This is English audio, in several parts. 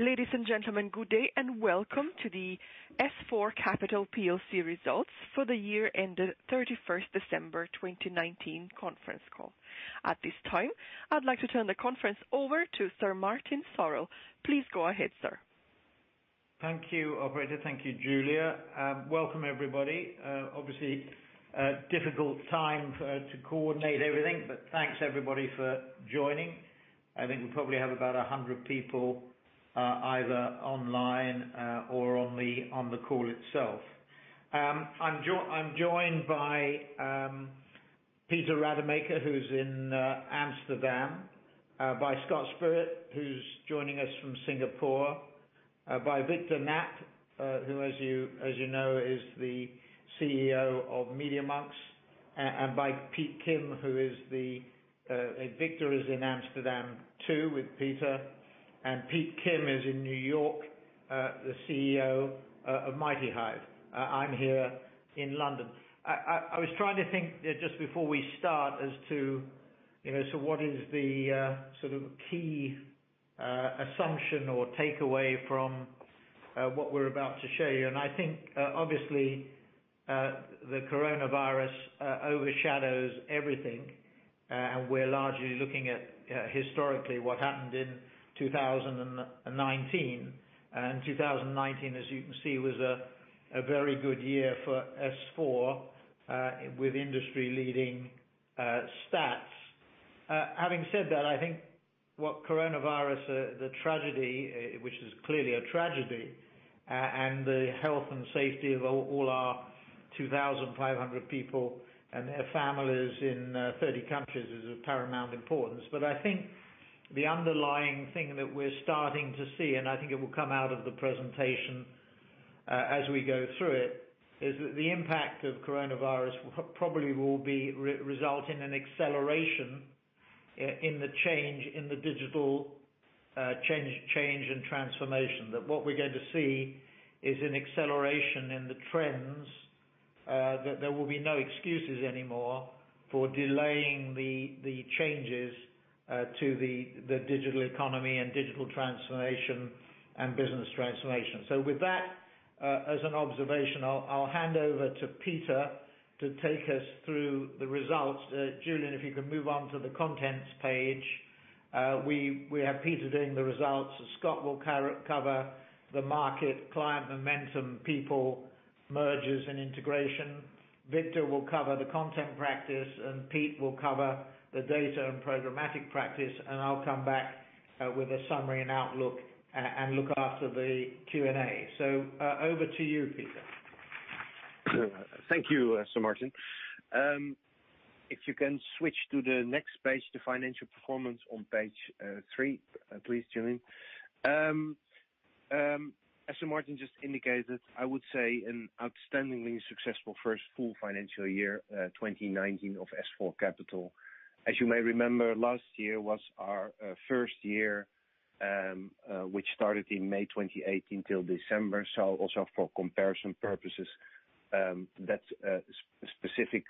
Ladies and gentlemen, good day and welcome to the S4 Capital plc results for the year ending 31st December 2019 conference call. At this time, I'd like to turn the conference over to Sir Martin Sorrell. Please go ahead, sir. Thank you, operator. Thank you, Julia. Welcome everybody. Obviously, a difficult time to coordinate everything, but thanks everybody for joining. I think we probably have about 100 people, either online or on the call itself. I'm joined by Peter Rademaker, who's in Amsterdam, by Scott Spirit, who's joining us from Singapore, by Victor Knaap, who as you know, is the CEO of MediaMonks, and by Pete Kim, who Victor is in Amsterdam too with Peter, and Pete Kim is in New York, the CEO of MightyHive. I'm here in London. I was trying to think just before we start as to what is the key assumption or takeaway from what we're about to show you? I think, obviously, the coronavirus overshadows everything, and we're largely looking at historically what happened in 2019. 2019, as you can see, was a very good year for S4, with industry-leading stats. Having said that, I think what coronavirus, the tragedy, which is clearly a tragedy, and the health and safety of all our 2,500 people and their families in 30 countries is of paramount importance. I think the underlying thing that we're starting to see, and I think it will come out of the presentation as we go through it, is that the impact of coronavirus probably will result in an acceleration in the change in the digital change and transformation, that what we're going to see is an acceleration in the trends, that there will be no excuses anymore for delaying the changes to the digital economy and digital transformation and business transformation. With that as an observation, I'll hand over to Peter to take us through the results. Julian, if you can move on to the contents page. We have Peter doing the results. Scott will cover the market, client momentum, people, mergers, and integration. Victor will cover the content practice, and Pete will cover the data and programmatic practice, and I'll come back with a summary and outlook, and look after the Q&A. Over to you, Peter. Thank you, Sir Martin. If you can switch to the next page, the financial performance on page three, please, Julian. As Sir Martin just indicated, I would say an outstandingly successful first full financial year, 2019, of S4 Capital. As you may remember, last year was our first year, which started in May 2018 till December. Also for comparison purposes,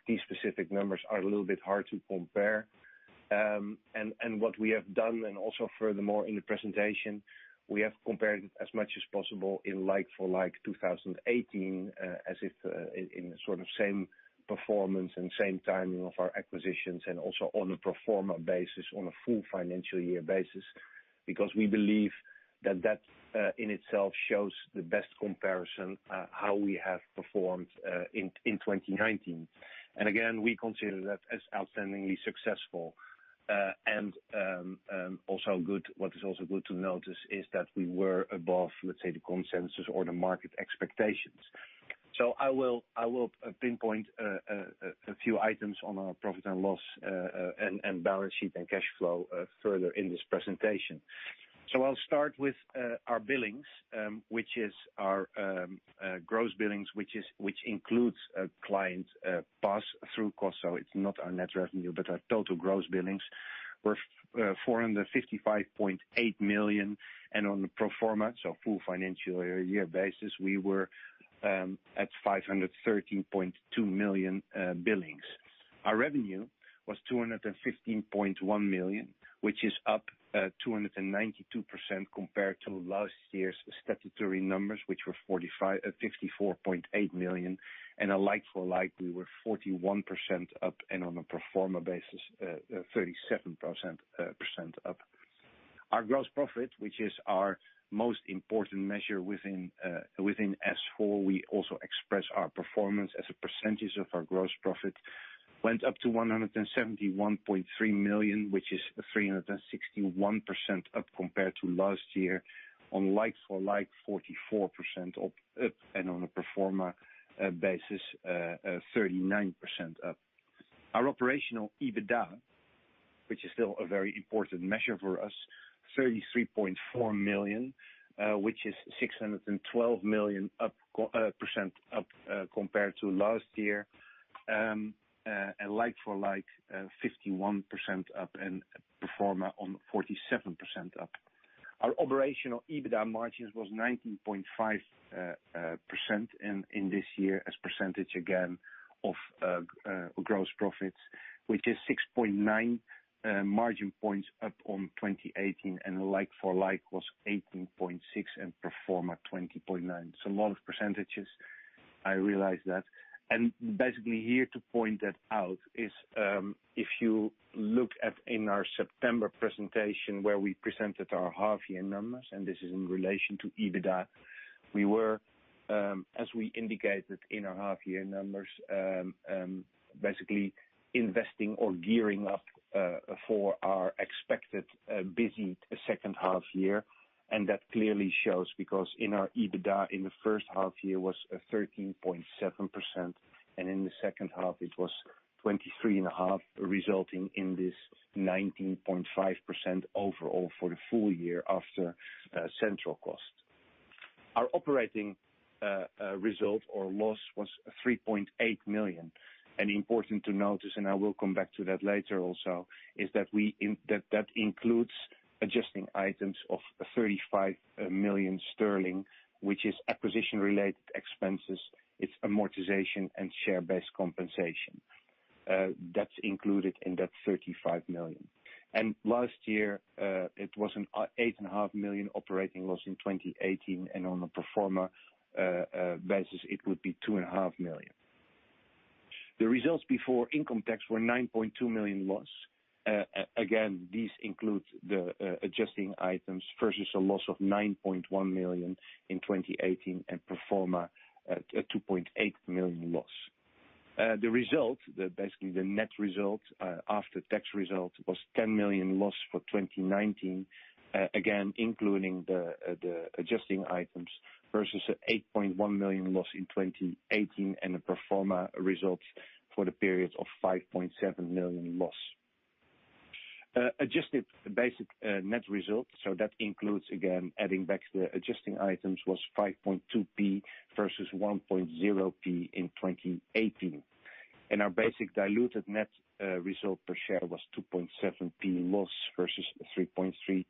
these specific numbers are a little bit hard to compare. What we have done, and also furthermore in the presentation, we have compared as much as possible in like for like 2018, as if in the same performance and same timing of our acquisitions, and also on a pro forma basis, on a full financial year basis. We believe that that in itself shows the best comparison, how we have performed in 2019. Again, we consider that as outstandingly successful. What is also good to notice is that we were above, let's say, the consensus or the market expectations. I will pinpoint a few items on our P&L, and balance sheet and cash flow, further in this presentation. I'll start with our billings, which is our gross billings, which includes a client pass-through cost. It's not our net revenue, but our total gross billings were 455.8 million, and on the pro forma, full financial year basis, we were at 513.2 million billings. Our revenue was 215.1 million, which is up 292% compared to last year's statutory numbers, which were 64.8 million. A like for like, we were 41% up, and on a pro forma basis, 37% up. Our gross profit, which is our most important measure within S4, we also express our performance as a percentage of our gross profit, went up to 171.3 million, which is 361% up compared to last year. On like for like, 44% up, on a pro forma basis, 39% up. Our operational EBITDA, which is still a very important measure for us, 33.4 million, which is 612% up compared to last year. Like for like, 51% up and pro forma on 47% up. Our operational EBITDA margins was 19.5% in this year as percentage, again, of gross profits, which is 6.9 margin points up on 2018, and the like for like was 18.6% and pro forma 20.9%. A lot of percentages. I realize that. Basically here to point that out is, if you look at in our September presentation where we presented our half year numbers, and this is in relation to EBITDA, we were, as we indicated in our half year numbers, basically investing or gearing up for our expected busy second half year. That clearly shows because in our EBITDA in the first half year was 13.7%, and in the second half it was 23.5%, resulting in this 19.5% overall for the full year after central cost. Our operating result or loss was 3.8 million. Important to notice, and I will come back to that later also, is that includes adjusting items of 35 million sterling, which is acquisition related expenses, it's amortization, and share-based compensation. That's included in that 35 million. Last year, it was a 8.5 million operating loss in 2018. On a pro forma basis, it would be 2.5 million. The results before income tax were 9.2 million loss. Again, these include the adjusting items versus a loss of 9.1 million in 2018 and pro forma at a 2.8 million loss. The result, basically the net result, after-tax result was 10 million loss for 2019. Again, including the adjusting items versus a 8.1 million loss in 2018 and a pro forma result for the period of 5.7 million loss. Adjusted basic net result, that includes, again, adding back the adjusting items was 0.052 versus 0.010 in 2018. Our basic diluted net result per share was 0.027 loss versus 0.033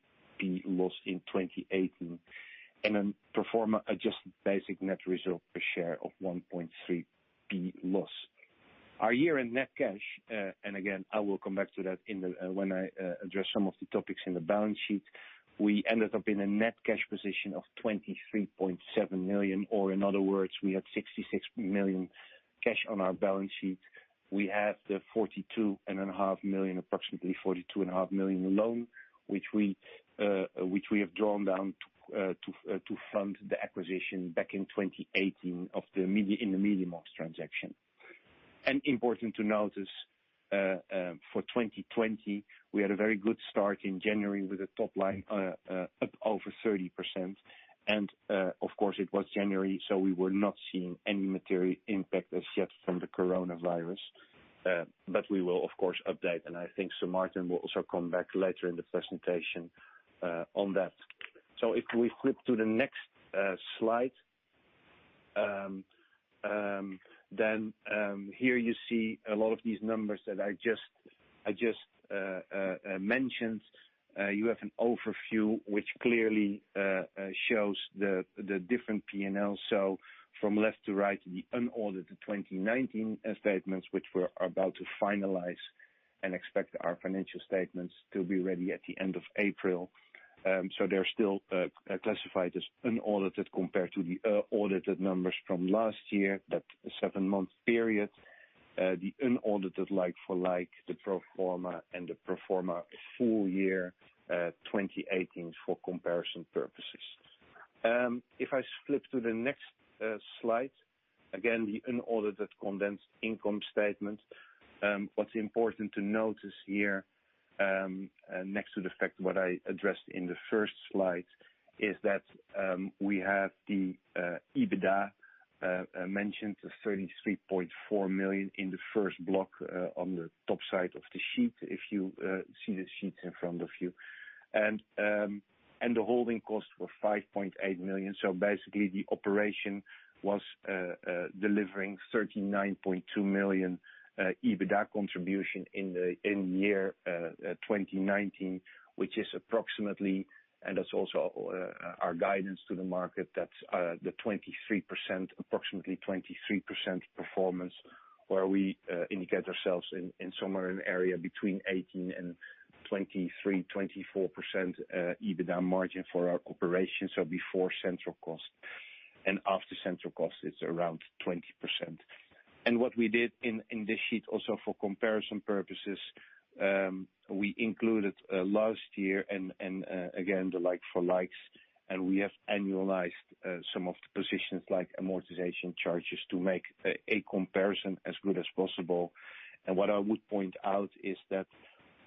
loss in 2018. A pro forma adjusted basic net result per share of 0.013 loss. Our year-end net cash, and again, I will come back to that when I address some of the topics in the balance sheet. We ended up in a net cash position of 23.7 million, or in other words, we had 66 million cash on our balance sheet. We had the 42 and a half million, approximately 42 and a half million loan, which we have drawn down to front the acquisition back in 2018 in the MediaMonks transaction. Important to notice, for 2020, we had a very good start in January with the top line up over 30%. Of course it was January, so we were not seeing any material impact as yet from the coronavirus. We will, of course, update, and I think Sir Martin will also come back later in the presentation on that. If we flip to the next slide, here you see a lot of these numbers that I just mentioned. You have an overview, which clearly shows the different P&L. From left to right, the unaudited 2019 statements, which we're about to finalize and expect our financial statements to be ready at the end of April. They're still classified as unaudited compared to the audited numbers from last year, that seven-month period. The unaudited like for like, the pro forma, and the pro forma full year 2018 for comparison purposes. If I flip to the next slide, again, the unaudited condensed income statement. What is important to notice here, next to the fact what I addressed in the first slide is that we have the EBITDA mentioned, the 33.4 million in the first block on the top side of the sheet, if you see the sheets in front of you. The holding costs were 5.8 million. Basically, the operation was delivering 39.2 million EBITDA contribution in the year 2019, which is approximately, and that is also our guidance to the market, that is the approximately 23% performance, where we indicate ourselves in somewhere in the area between 18% and 23%, 24% EBITDA margin for our operation, so before central cost. After central cost, it is around 20%. What we did in this sheet also for comparison purposes, we included last year and, again, the like for likes, and we have annualized some of the positions like amortization charges to make a comparison as good as possible. What I would point out is that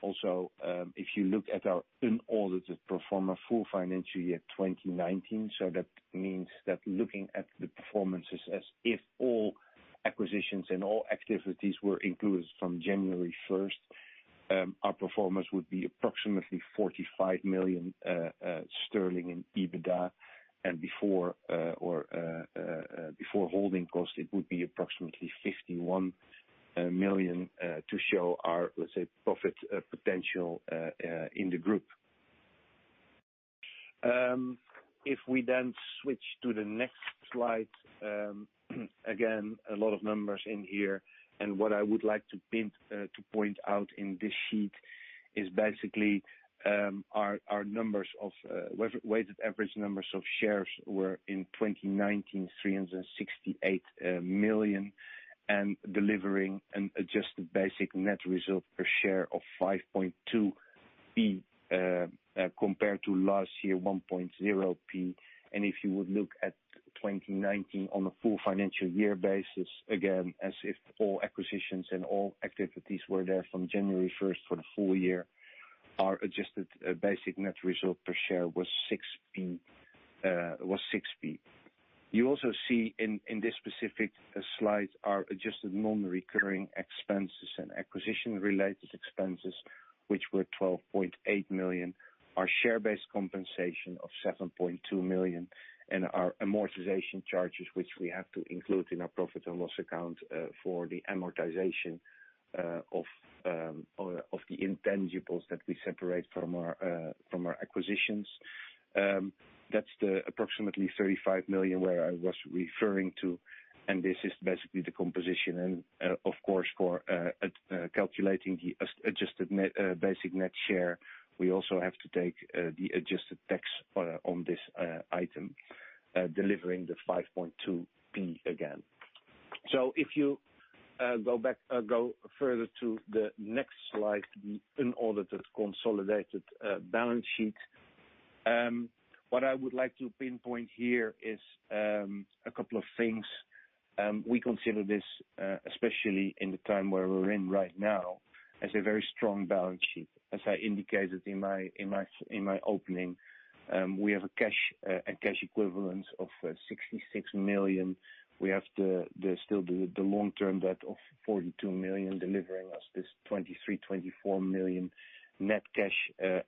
also, if you look at our unaudited pro forma full financial year 2019, so that means that looking at the performances as if all acquisitions and all activities were included from January 1st, our pro forma would be approximately 45 million sterling in EBITDA. Before holding cost, it would be approximately 51 million to show our, let's say, profit potential in the group. If we then switch to the next slide, again, a lot of numbers in here. What I would like to point out in this sheet is basically our weighted average numbers of shares were in 2019, 368 million, delivering an adjusted basic net result per share of 0.052, compared to last year, 0.010. If you would look at 2019 on a full financial year basis, again, as if all acquisitions and all activities were there from January 1st for the full year, our adjusted basic net result per share was 0.06. You also see in this specific slide, our adjusted non-recurring expenses and acquisition related expenses, which were 12.8 million. Our share-based compensation of 7.2 million, and our amortization charges, which we have to include in our P&L account, for the amortization of the intangibles that we separate from our acquisitions. That's the approximately 35 million where I was referring to. This is basically the composition. Of course, for calculating the adjusted basic net share, we also have to take the adjusted tax on this item, delivering the 0.052 again. If you go further to the next slide, the unaudited consolidated balance sheet. What I would like to pinpoint here is a couple of things. We consider this, especially in the time where we're in right now, as a very strong balance sheet, as I indicated in my opening. We have a cash equivalent of 66 million. We have still the long-term debt of 42 million, delivering us this 23 million-24 million net cash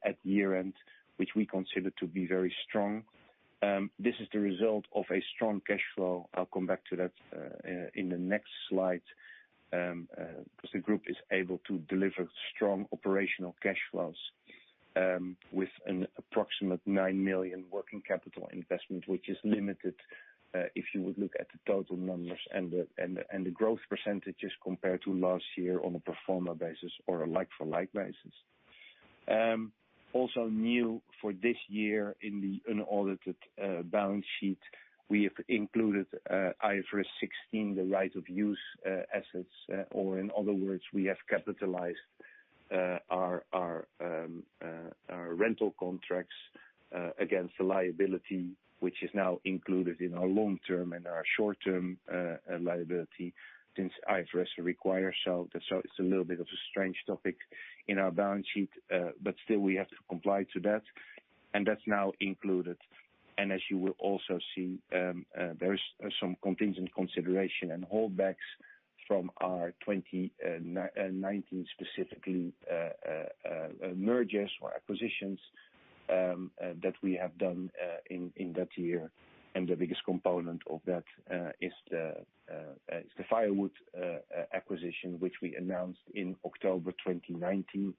at year-end, which we consider to be very strong. This is the result of a strong cash flow. I'll come back to that in the next slide. The group is able to deliver strong operational cash flows with an approximate 9 million working capital investment, which is limited, if you would look at the total numbers and the growth percentages compared to last year on a pro forma basis or a like-for-like basis. New for this year in the unaudited balance sheet, we have included IFRS 16, the right of use assets, or in other words, we have capitalized our rental contracts against the liability, which is now included in our long-term and our short-term liability, since IFRS requires so. It's a little bit of a strange topic in our balance sheet, but still we have to comply to that. That's now included. As you will also see, there's some contingent consideration and holdbacks from our 2019 specifically, mergers or acquisitions that we have done in that year. The biggest component of that is the Firewood acquisition, which we announced in October 2019.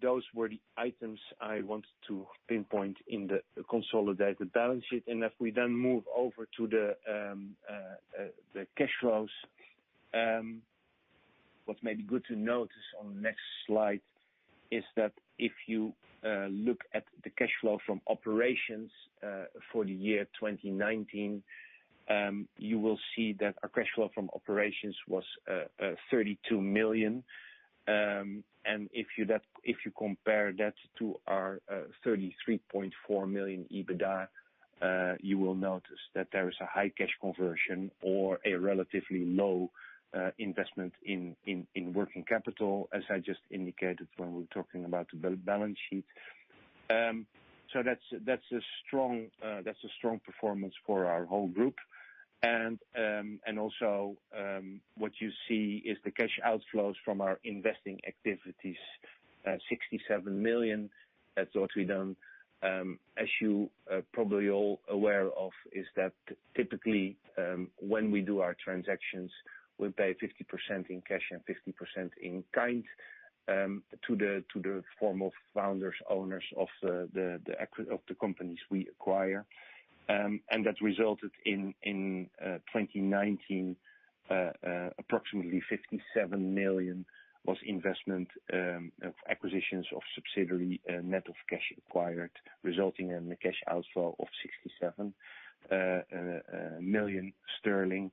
Those were the items I wanted to pinpoint in the consolidated balance sheet. If we move over to the cash flows. What may be good to notice on the next slide is that if you look at the cash flow from operations for the year 2019, you will see that our cash flow from operations was 32 million. If you compare that to our 33.4 million EBITDA, you will notice that there is a high cash conversion or a relatively low investment in working capital, as I just indicated when we were talking about the balance sheet. That's a strong performance for our whole group. What you see is the cash outflows from our investing activities, 67 million. That's what we done. As you probably all aware of, is that typically, when we do our transactions, we pay 50% in cash and 50% in kind, to the former founders, owners of the companies we acquire. That resulted in 2019, approximately 57 million was investment of acquisitions of subsidiary, net of cash acquired, resulting in a cash outflow of 67 million sterling.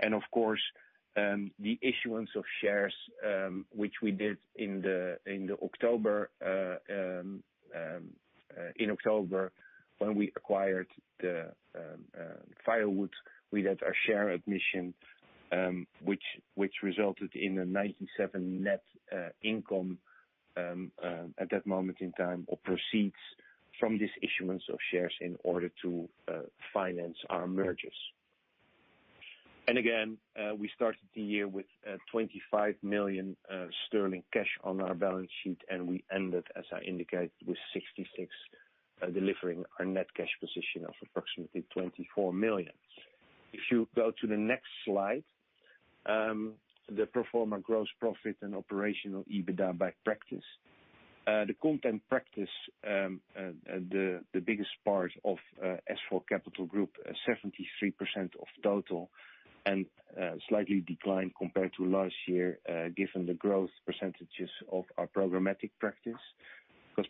Of course, the issuance of shares, which we did in October. In October, when we acquired Firewood, we did our share admission, which resulted in a 97 net income, at that moment in time, or proceeds from this issuance of shares in order to finance our mergers. Again, we started the year with 25 million sterling cash on our balance sheet, and we ended, as I indicated, with 66, delivering our net cash position of approximately 24 million. If you go to the next slide, the pro forma gross profit and operational EBITDA by practice. The content practice, the biggest part of S4 Capital Group, 73% of total, and slightly declined compared to last year, given the growth percentages of our programmatic practice.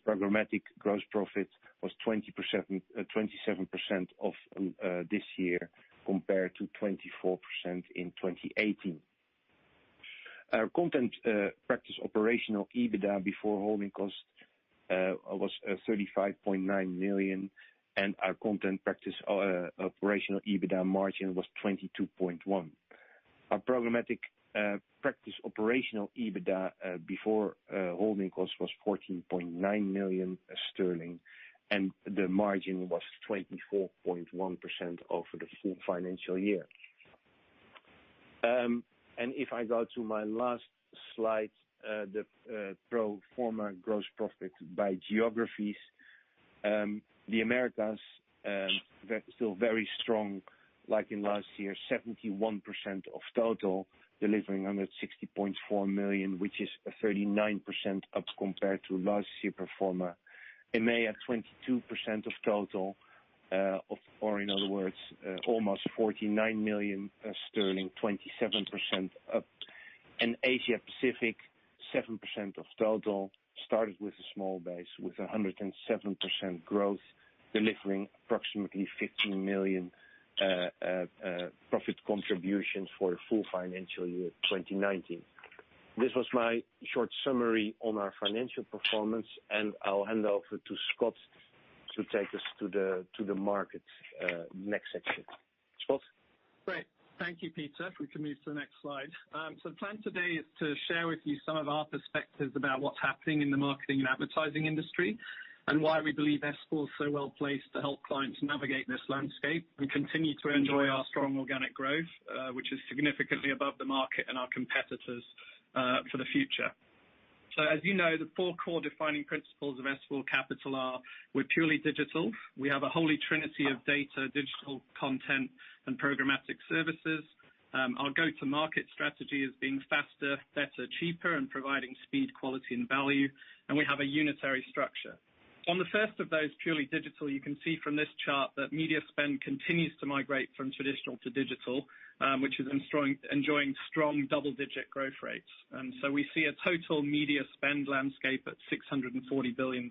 Programmatic gross profit was 27% of this year, compared to 24% in 2018. Our content practice operational EBITDA before holding cost was 35.9 million, and our content practice operational EBITDA margin was 22.1%. Our programmatic practice operational EBITDA before holding cost was 14.9 million sterling, and the margin was 24.1% over the full financial year. If I go to my last slide, the pro forma gross profit by geographies. The Americas, still very strong like in last year, 71% of total, delivering 160.4 million, which is 39% up compared to last year pro forma. EMEA, 22% of total, or in other words, almost 49 million sterling, 27% up. Asia Pacific, 7% of total, started with a small base with 107% growth, delivering approximately 15 million profit contributions for full financial year 2019. This was my short summary on our financial performance, I'll hand over to Scott to take us to the market next section. Scott? Great. Thank you, Peter. If we can move to the next slide. The plan today is to share with you some of our perspectives about what's happening in the marketing and advertising industry, and why we believe S4 is so well-placed to help clients navigate this landscape, and continue to enjoy our strong organic growth, which is significantly above the market and our competitors for the future. As you know, the four core defining principles of S4 Capital are, we're purely digital, we have a holy trinity of data, digital content, and programmatic services. Our go-to-market strategy is being faster, better, cheaper, and providing speed, quality, and value, and we have a unitary structure. On the first of those, purely digital, you can see from this chart that media spend continues to migrate from traditional to digital, which is enjoying strong double-digit growth rates. We see a total media spend landscape at $640 billion.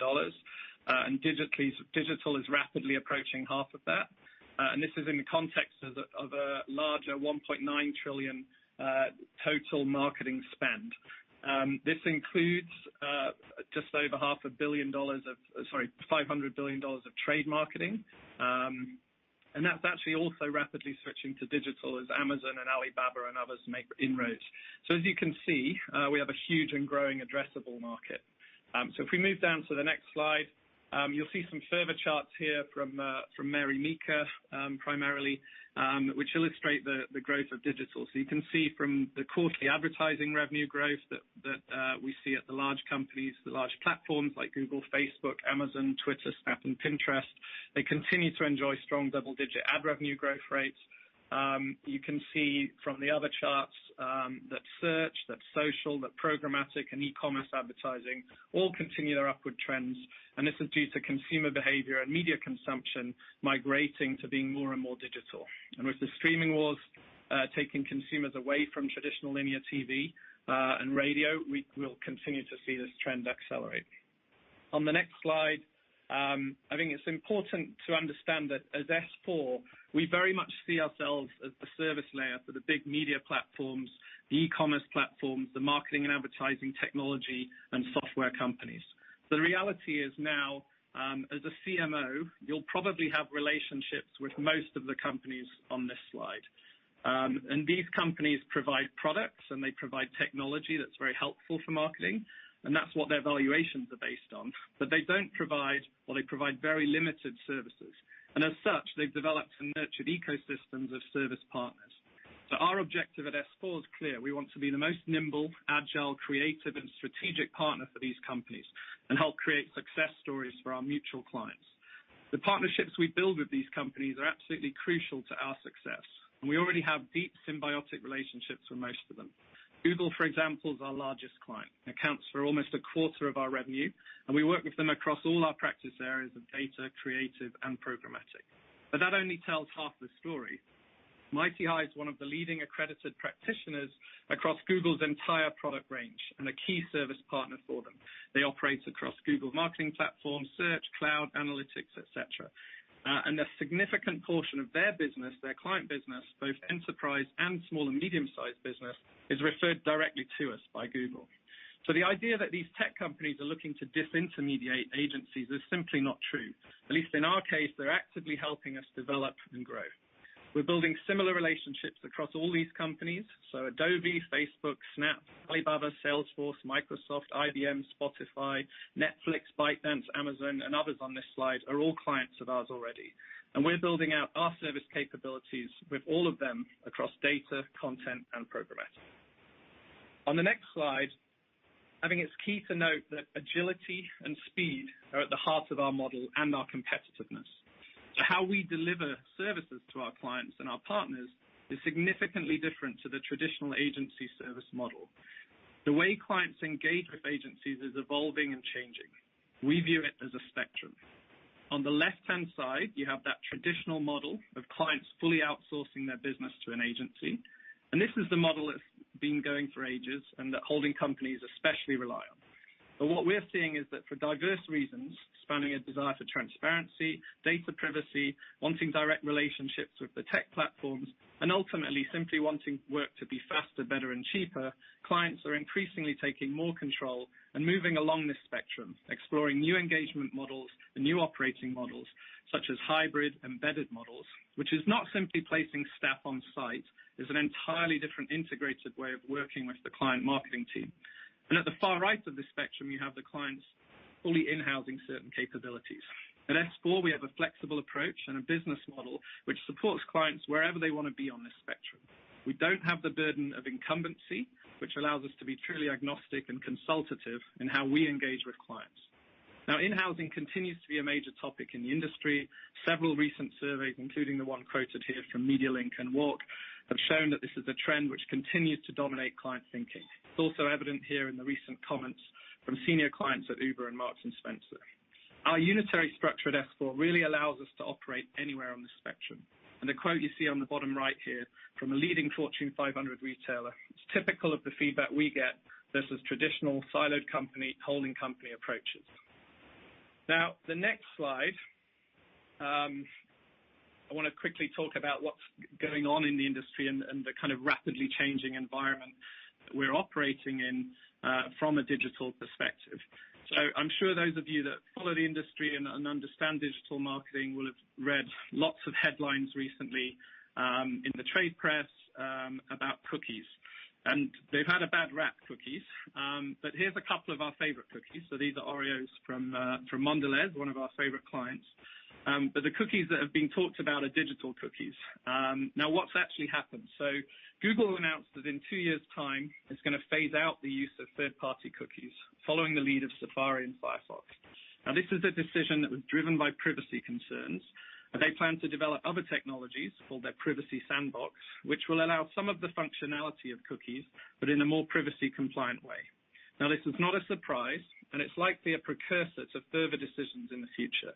Digital is rapidly approaching half of that. This is in the context of a larger $1.9 trillion total marketing spend. This includes just over $500 billion of trade marketing. That's actually also rapidly switching to digital as Amazon and Alibaba and others make inroads. As you can see, we have a huge and growing addressable market. If we move down to the next slide, you'll see some further charts here from Mary Meeker, primarily, which illustrate the growth of digital. You can see from the quarterly advertising revenue growth that we see at the large companies, the large platforms like Google, Facebook, Amazon, Twitter, Snap, and Pinterest, they continue to enjoy strong double-digit ad revenue growth rates. You can see from the other charts that search, that social, that programmatic and e-commerce advertising all continue their upward trends. This is due to consumer behavior and media consumption migrating to being more and more digital. With the streaming wars taking consumers away from traditional linear TV and radio, we will continue to see this trend accelerate. On the next slide, I think it's important to understand that as S4, we very much see ourselves as the service layer for the big media platforms, the e-commerce platforms, the marketing and advertising technology and software companies. The reality is now, as a CMO, you'll probably have relationships with most of the companies on this slide. These companies provide products, and they provide technology that's very helpful for marketing, and that's what their valuations are based on. They don't provide, or they provide very limited services. As such, they've developed and nurtured ecosystems of service partners. Our objective at S4 is clear. We want to be the most nimble, agile, creative, and strategic partner for these companies and help create success stories for our mutual clients. The partnerships we build with these companies are absolutely crucial to our success. We already have deep symbiotic relationships with most of them. Google, for example, is our largest client, accounts for almost a quarter of our revenue, and we work with them across all our practice areas of data, creative, and programmatic. That only tells half the story. MightyHive is one of the leading accredited practitioners across Google's entire product range and a key service partner for them. They operate across Google Marketing Platform, Search, Cloud, Analytics, et cetera. A significant portion of their business, their client business, both enterprise and small and medium-sized business, is referred directly to us by Google. The idea that these tech companies are looking to disintermediate agencies is simply not true. At least in our case, they're actively helping us develop and grow. We're building similar relationships across all these companies. Adobe, Facebook, Snap, Alibaba, Salesforce, Microsoft, IBM, Spotify, Netflix, ByteDance, Amazon, and others on this slide are all clients of ours already. We're building out our service capabilities with all of them across data, content, and programmatic. On the next slide, I think it's key to note that agility and speed are at the heart of our model and our competitiveness. How we deliver services to our clients and our partners is significantly different to the traditional agency service model. The way clients engage with agencies is evolving and changing. We view it as a spectrum. On the left-hand side, you have that traditional model of clients fully outsourcing their business to an agency, and this is the model that's been going for ages and that holding companies especially rely on. What we're seeing is that for diverse reasons, spanning a desire for transparency, data privacy, wanting direct relationships with the tech platforms, and ultimately simply wanting work to be faster, better and cheaper, clients are increasingly taking more control and moving along this spectrum. Exploring new engagement models and new operating models such as hybrid embedded models, which is not simply placing staff on site. It's an entirely different integrated way of working with the client marketing team. At the far right of this spectrum, you have the clients fully in-housing certain capabilities. At S4, we have a flexible approach and a business model which supports clients wherever they want to be on this spectrum. We don't have the burden of incumbency, which allows us to be truly agnostic and consultative in how we engage with clients. In-housing continues to be a major topic in the industry. Several recent surveys, including the one quoted here from MediaLink and WARC, have shown that this is a trend which continues to dominate client thinking. It's also evident here in the recent comments from senior clients at Uber and Marks & Spencer. Our unitary structure at S4 really allows us to operate anywhere on this spectrum. The quote you see on the bottom right here, from a leading Fortune 500 retailer, it's typical of the feedback we get versus traditional siloed company, holding company approaches. The next slide, I want to quickly talk about what's going on in the industry and the kind of rapidly changing environment that we're operating in, from a digital perspective. I'm sure those of you that follow the industry and understand digital marketing will have read lots of headlines recently, in the trade press, about cookies. They've had a bad rap, cookies, but here's a couple of our favorite cookies. These are Oreos from Mondelēz, one of our favorite clients. The cookies that have been talked about are digital cookies. What's actually happened? Google announced that in two years' time, it's going to phase out the use of third-party cookies following the lead of Safari and Firefox. This is a decision that was driven by privacy concerns, and they plan to develop other technologies, called their Privacy Sandbox, which will allow some of the functionality of cookies, but in a more privacy compliant way. This is not a surprise, and it's likely a precursor to further decisions in the future.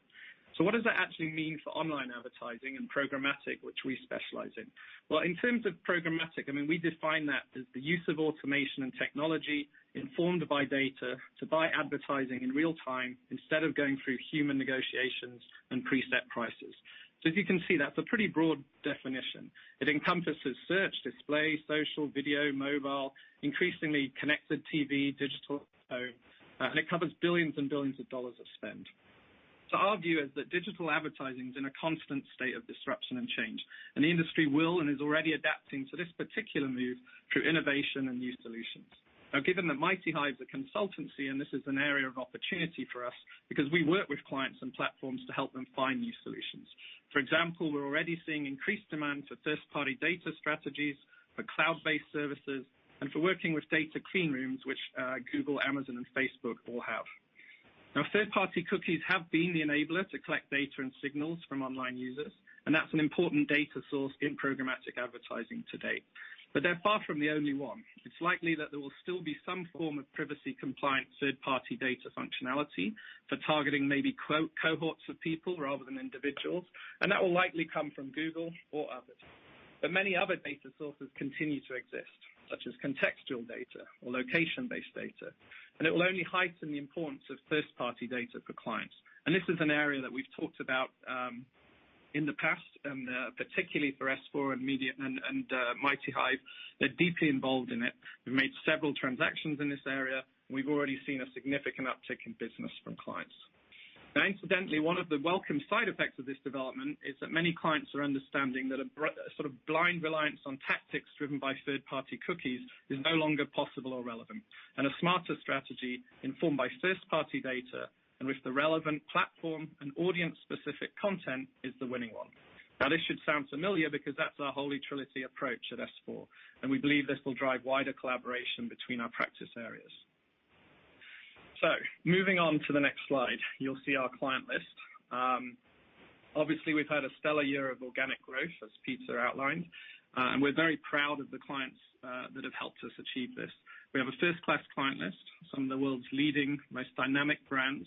What does that actually mean for online advertising and programmatic, which we specialize in? Well, in terms of programmatic, we define that as the use of automation and technology informed by data to buy advertising in real time instead of going through human negotiations and preset prices. As you can see, that's a pretty broad definition. It encompasses search, display, social, video, mobile, increasingly connected TV, digital out-of-home, and it covers billions and billions of dollars of spend. Our view is that digital advertising is in a constant state of disruption and change, and the industry will and is already adapting to this particular move through innovation and new solutions. Given that MightyHive is a consultancy, and this is an area of opportunity for us because we work with clients and platforms to help them find new solutions. For example, we're already seeing increased demand for first-party data strategies, for cloud-based services, and for working with data clean rooms, which Google, Amazon and Facebook all have. Third-party cookies have been the enabler to collect data and signals from online users, and that's an important data source in programmatic advertising to date. They're far from the only one. It's likely that there will still be some form of privacy compliant third-party data functionality for targeting maybe cohorts of people rather than individuals, and that will likely come from Google or others. Many other data sources continue to exist, such as contextual data or location-based data, and it will only heighten the importance of first-party data for clients. This is an area that we've talked about in the past, and particularly for S4 and MightyHive, they're deeply involved in it. We've made several transactions in this area, and we've already seen a significant uptick in business from clients. Incidentally, one of the welcome side effects of this development is that many clients are understanding that a sort of blind reliance on tactics driven by third-party cookies is no longer possible or relevant. A smarter strategy informed by first-party data and with the relevant platform and audience specific content is the winning one. This should sound familiar because that's our holy trinity approach at S4, and we believe this will drive wider collaboration between our practice areas. Moving on to the next slide, you'll see our client list. Obviously, we've had a stellar year of organic growth as Peter outlined, and we're very proud of the clients that have helped us achieve this. We have a first-class client list, some of the world's leading, most dynamic brands,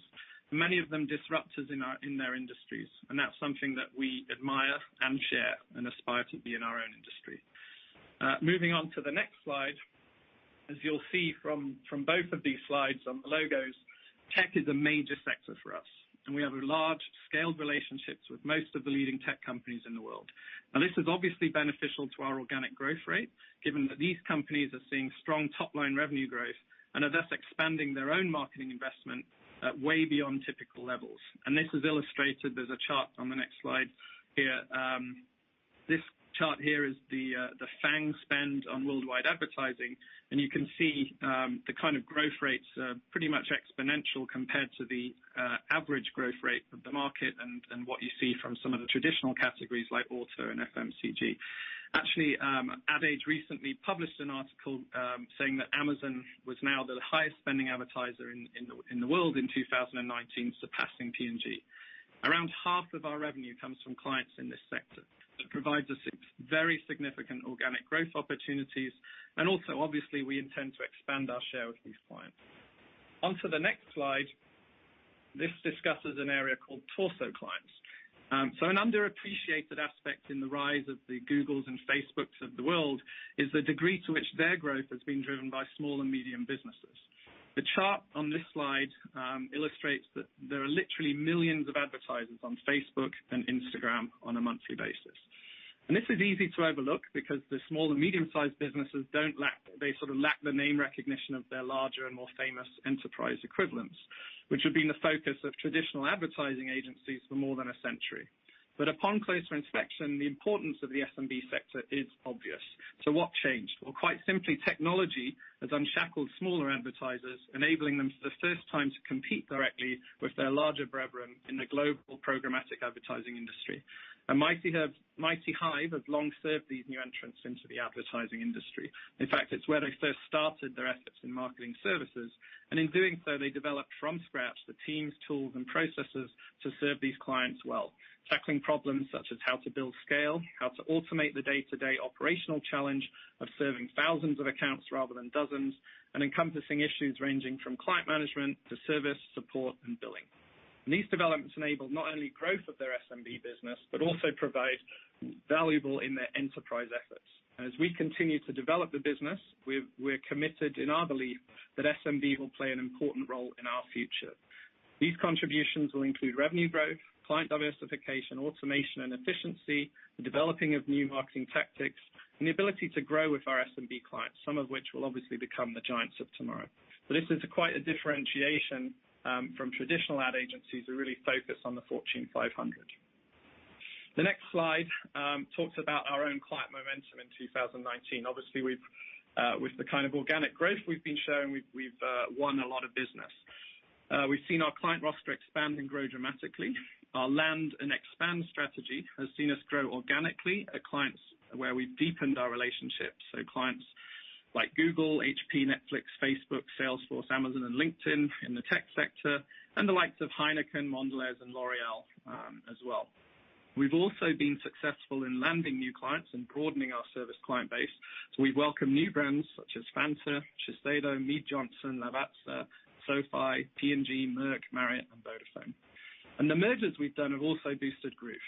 many of them disruptors in their industries, and that's something that we admire and share and aspire to be in our own industry. Moving on to the next slide. As you'll see from both of these slides on the logos, tech is a major sector for us, and we have large scaled relationships with most of the leading tech companies in the world. This is obviously beneficial to our organic growth rate, given that these companies are seeing strong top-line revenue growth and are thus expanding their own marketing investment way beyond typical levels. This is illustrated, there's a chart on the next slide here. This chart here is the FAANG spend on worldwide advertising, and you can see the kind of growth rates are pretty much exponential compared to the average growth rate of the market and what you see from some of the traditional categories like auto and FMCG. Ad Age recently published an article saying that Amazon was now the highest spending advertiser in the world in 2019, surpassing P&G. Around half of our revenue comes from clients in this sector. It provides us very significant organic growth opportunities, and also, obviously, we intend to expand our share with these clients. On to the next slide. This discusses an area called torso clients. An underappreciated aspect in the rise of the Googles and Facebooks of the world is the degree to which their growth has been driven by small and medium businesses. The chart on this slide illustrates that there are literally millions of advertisers on Facebook and Instagram on a monthly basis. This is easy to overlook because the small and medium-sized businesses don't lack. They sort of lack the name recognition of their larger and more famous enterprise equivalents, which have been the focus of traditional advertising agencies for more than a century. Upon closer inspection, the importance of the SMB sector is obvious. What changed? Well, quite simply, technology has unshackled smaller advertisers, enabling them for the first time to compete directly with their larger brethren in the global programmatic advertising industry. MightyHive have long served these new entrants into the advertising industry. In fact, it's where they first started their efforts in marketing services. In doing so, they developed from scratch the teams, tools, and processes to serve these clients well. Tackling problems such as how to build scale, how to automate the day-to-day operational challenge of serving thousands of accounts rather than dozens, and encompassing issues ranging from client management to service, support, and billing. These developments enabled not only growth of their SMB business, but also provided valuable in their enterprise efforts. As we continue to develop the business, we're committed in our belief that SMB will play an important role in our future. These contributions will include revenue growth, client diversification, automation, and efficiency, the developing of new marketing tactics, and the ability to grow with our SMB clients, some of which will obviously become the giants of tomorrow. This is quite a differentiation from traditional ad agencies who really focus on the Fortune 500. The next slide talks about our own client momentum in 2019. Obviously, with the kind of organic growth we've been showing, we've won a lot of business. We've seen our client roster expand and grow dramatically. Our land and expand strategy has seen us grow organically at clients where we've deepened our relationships. Clients like Google, HP, Netflix, Facebook, Salesforce, Amazon, and LinkedIn in the tech sector, and the likes of Heineken, Mondelēz, and L'Oréal as well. We've also been successful in landing new clients and broadening our service client base. We welcome new brands such as Fanta, Shiseido, Mead Johnson, Lavazza, SoFi, P&G, Merck, Marriott, and Vodafone. The mergers we've done have also boosted group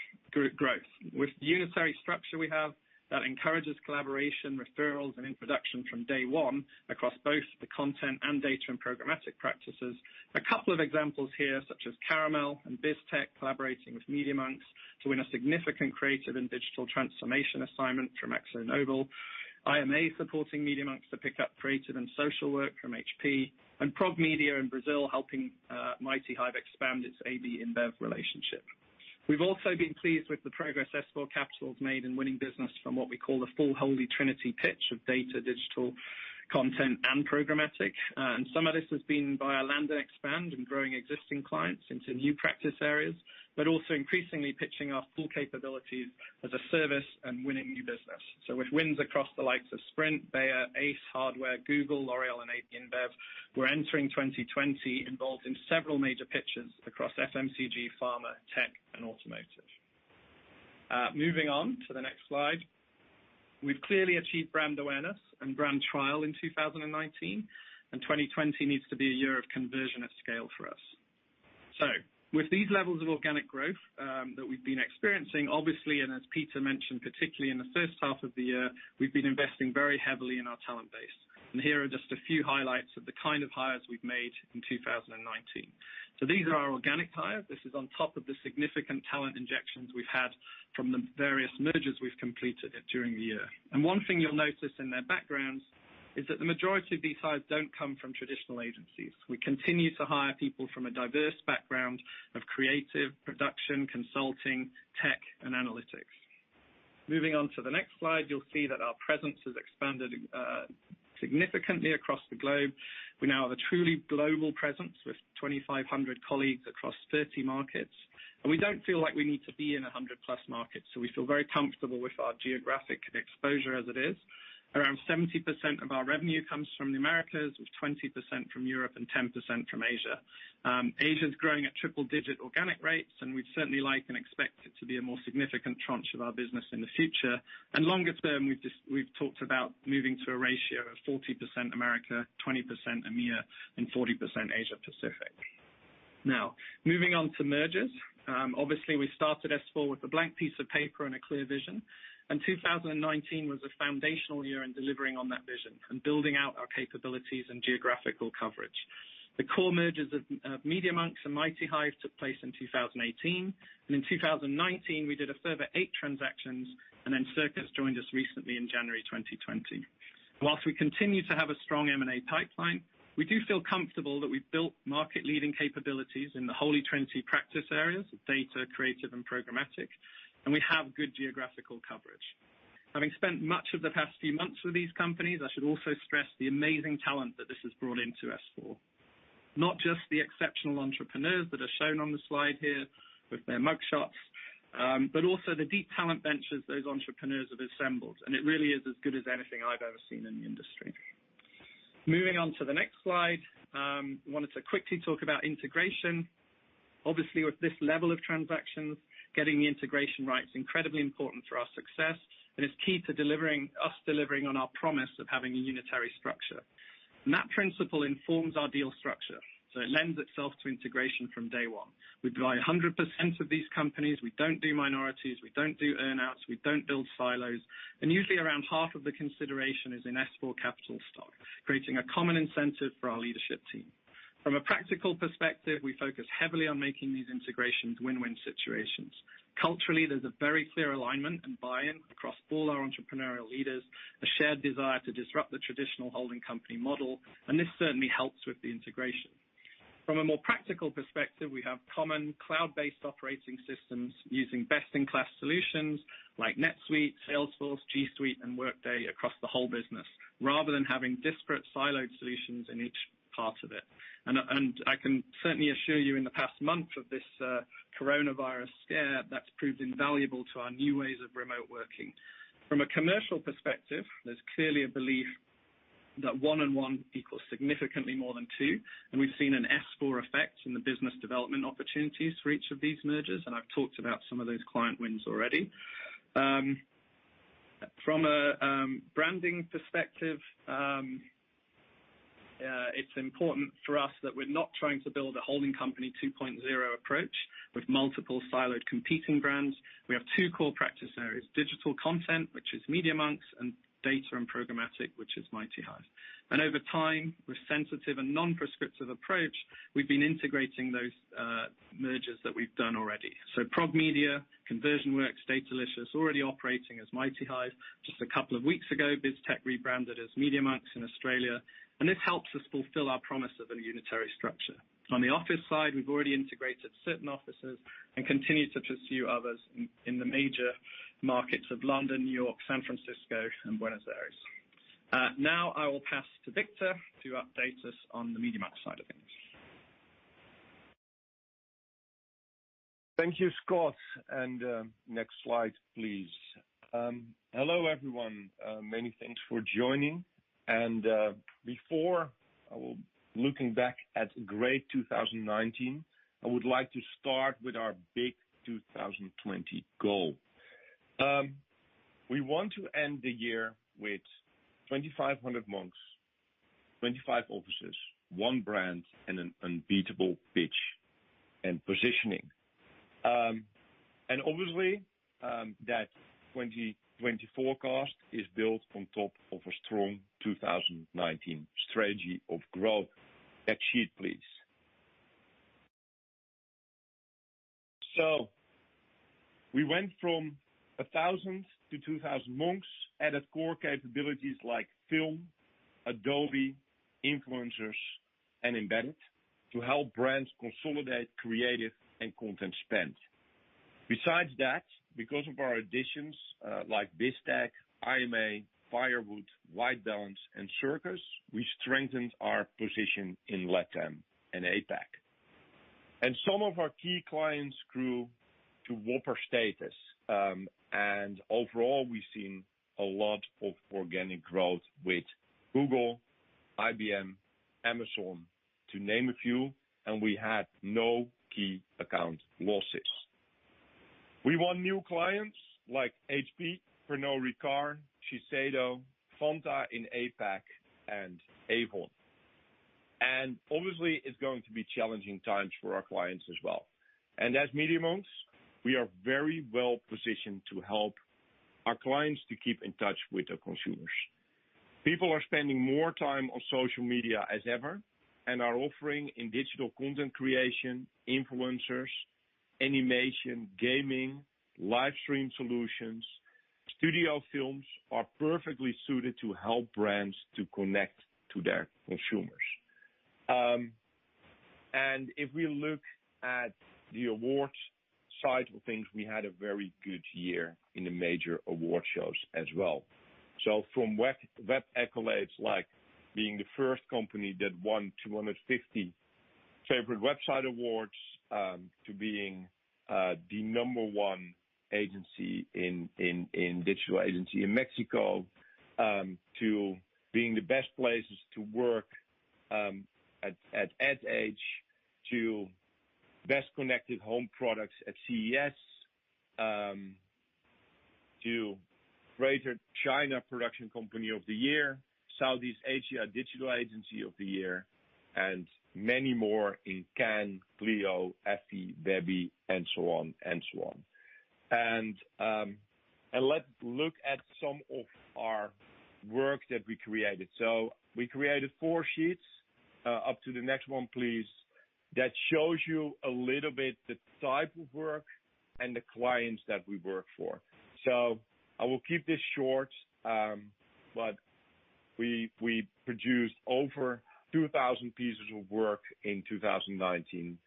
growth. With the unitary structure we have, that encourages collaboration, referrals, and introduction from day one across both the content and data and programmatic practices. A couple of examples here, such as Caramel and BizTech, collaborating with MediaMonks to win a significant creative and digital transformation assignment from ExxonMobil, IMA supporting MediaMonks to pick up creative and social work from HP, and ProgMedia in Brazil, helping MightyHive expand its AB InBev relationship. We've also been pleased with the progress S4 Capital has made in winning business from what we call the full Holy Trinity pitch of data, digital content, and programmatic. Some of this has been by our land and expand and growing existing clients into new practice areas, but also increasingly pitching our full capabilities as a service and winning new business. With wins across the likes of Sprint, Bayer, Ace Hardware, Google, L'Oréal, and AB InBev, we're entering 2020 involved in several major pitches across FMCG, pharma, tech, and automotive. Moving on to the next slide. We've clearly achieved brand awareness and brand trial in 2019, and 2020 needs to be a year of conversion at scale for us. With these levels of organic growth that we've been experiencing, obviously, and as Peter mentioned, particularly in the first half of the year, we've been investing very heavily in our talent base. Here are just a few highlights of the kind of hires we've made in 2019. These are our organic hires. This is on top of the significant talent injections we've had from the various mergers we've completed during the year. One thing you'll notice in their backgrounds is that the majority of these hires don't come from traditional agencies. We continue to hire people from a diverse background of creative, production, consulting, tech, and analytics. Moving on to the next slide, you'll see that our presence has expanded significantly across the globe. We now have a truly global presence with 2,500 colleagues across 30 markets, and we don't feel like we need to be in 100-plus markets. We feel very comfortable with our geographic exposure as it is. Around 70% of our revenue comes from the Americas, with 20% from Europe and 10% from Asia. Asia is growing at triple-digit organic rates, and we'd certainly like and expect it to be a more significant tranche of our business in the future. Longer term, we've talked about moving to a ratio of 40% America, 20% EMEA, and 40% Asia Pacific. Moving on to mergers. Obviously, we started S4 with a blank piece of paper and a clear vision, and 2019 was a foundational year in delivering on that vision and building out our capabilities and geographical coverage. The core mergers of MediaMonks and MightyHive took place in 2018, and in 2019, we did a further eight transactions, and then Circus joined us recently in January 2020. Whilst we continue to have a strong M&A pipeline, we do feel comfortable that we've built market-leading capabilities in the Holy Trinity practice areas of data, creative, and programmatic, and we have good geographical coverage. Having spent much of the past few months with these companies, I should also stress the amazing talent that this has brought into S4. Not just the exceptional entrepreneurs that are shown on the slide here with their mugshots, but also the deep talent benches those entrepreneurs have assembled. It really is as good as anything I've ever seen in the industry. Moving on to the next slide, I wanted to quickly talk about integration. Obviously, with this level of transactions, getting the integration right is incredibly important for our success and is key to us delivering on our promise of having a unitary structure. That principle informs our deal structure. It lends itself to integration from day one. We buy 100% of these companies. We don't do minorities, we don't do earn-outs, we don't build silos, and usually around half of the consideration is in S4 Capital stock, creating a common incentive for our leadership team. From a practical perspective, we focus heavily on making these integrations win-win situations. Culturally, there's a very clear alignment and buy-in across all our entrepreneurial leaders, a shared desire to disrupt the traditional holding company model, and this certainly helps with the integration. From a more practical perspective, we have common cloud-based operating systems using best-in-class solutions like NetSuite, Salesforce, G Suite, and Workday across the whole business, rather than having disparate siloed solutions in each part of it. I can certainly assure you in the past month of this coronavirus scare, that's proved invaluable to our new ways of remote working. From a commercial perspective, there's clearly a belief that one and one equals significantly more than two. We've seen an S4 effect in the business development opportunities for each of these mergers. I've talked about some of those client wins already. From a branding perspective, it's important for us that we're not trying to build a holding company 2.0 approach with multiple siloed competing brands. We have two core practice areas, digital content, which is MediaMonks, and data and programmatic, which is MightyHive. Over time, with sensitive and non-prescriptive approach, we've been integrating those mergers that we've done already. ProgMedia, ConversionWorks, Datalicious already operating as MightyHive. Just a couple of weeks ago, BizTech rebranded as MediaMonks in Australia. This helps us fulfill our promise of a unitary structure. On the office side, we've already integrated certain offices and continue to pursue others in the major markets of London, New York, San Francisco, and Buenos Aires. I will pass to Victor to update us on the MediaMonks side of things. Thank you, Scott. Next slide, please. Hello, everyone. Many thanks for joining. Before looking back at great 2019, I would like to start with our big 2020 goal. We want to end the year with 2,500 Monks, 25 offices, one brand, and an unbeatable pitch and positioning. Obviously, that 2020 forecast is built on top of a strong 2019 strategy of growth. Next sheet, please. We went from 1,000 to 2,000 Monks, added core capabilities like film, Adobe, influencers, and embedded to help brands consolidate creative and content spend. Besides that, because of our additions, like BizTech, IMA, Firewood, WhiteBalance, and Circus, we strengthened our position in LATAM and APAC. Some of our key clients grew to Whopper status. Overall, we've seen a lot of organic growth with Google, IBM, Amazon, to name a few, and we had no key account losses. We won new clients like HP, Pernod Ricard, Shiseido, Fanta in APAC, and Avon. Obviously, it's going to be challenging times for our clients as well. As MediaMonks, we are very well positioned to help our clients to keep in touch with their consumers. People are spending more time on social media as ever and our offering in digital content creation, influencers, animation, gaming, live stream solutions, studio films are perfectly suited to help brands to connect to their consumers. If we look at the awards side of things, we had a very good year in the major award shows as well. From web accolades, like being the first company that won 250 Favorite Website Awards, to being the number one digital agency in Mexico, to being the Best Places to Work, at Ad Age, to Best Connected Home Products at CES, to Greater China Production Company of the Year, Southeast Asia Digital Agency of the Year, and many more in Cannes, Clio, Effie, Webby, and so on. Let's look at some of our work that we created. We created 4 sheets, up to the next 1, please, that shows you a little bit the type of work and the clients that we work for. I will keep this short, but we produced over 2,000 pieces of work in 2019.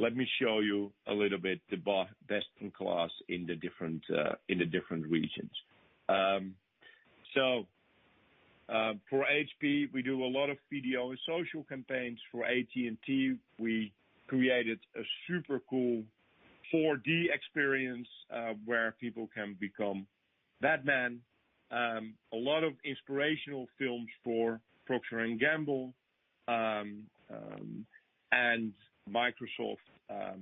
Let me show you a little bit the best in class in the different regions. For HP, we do a lot of video and social campaigns. For AT&T, we created a super cool 4D experience where people can become Batman. A lot of inspirational films for Procter & Gamble, and Microsoft, a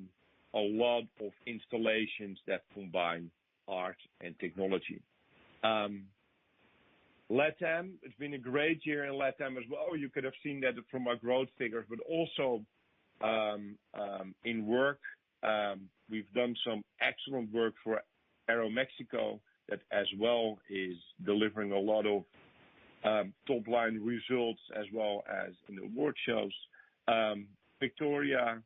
lot of installations that combine art and technology. LATAM, it's been a great year in LATAM as well. You could have seen that from our growth figures, but also in work, we've done some excellent work for Aeromexico that as well is delivering a lot of top-line results as well as in award shows. Victoria],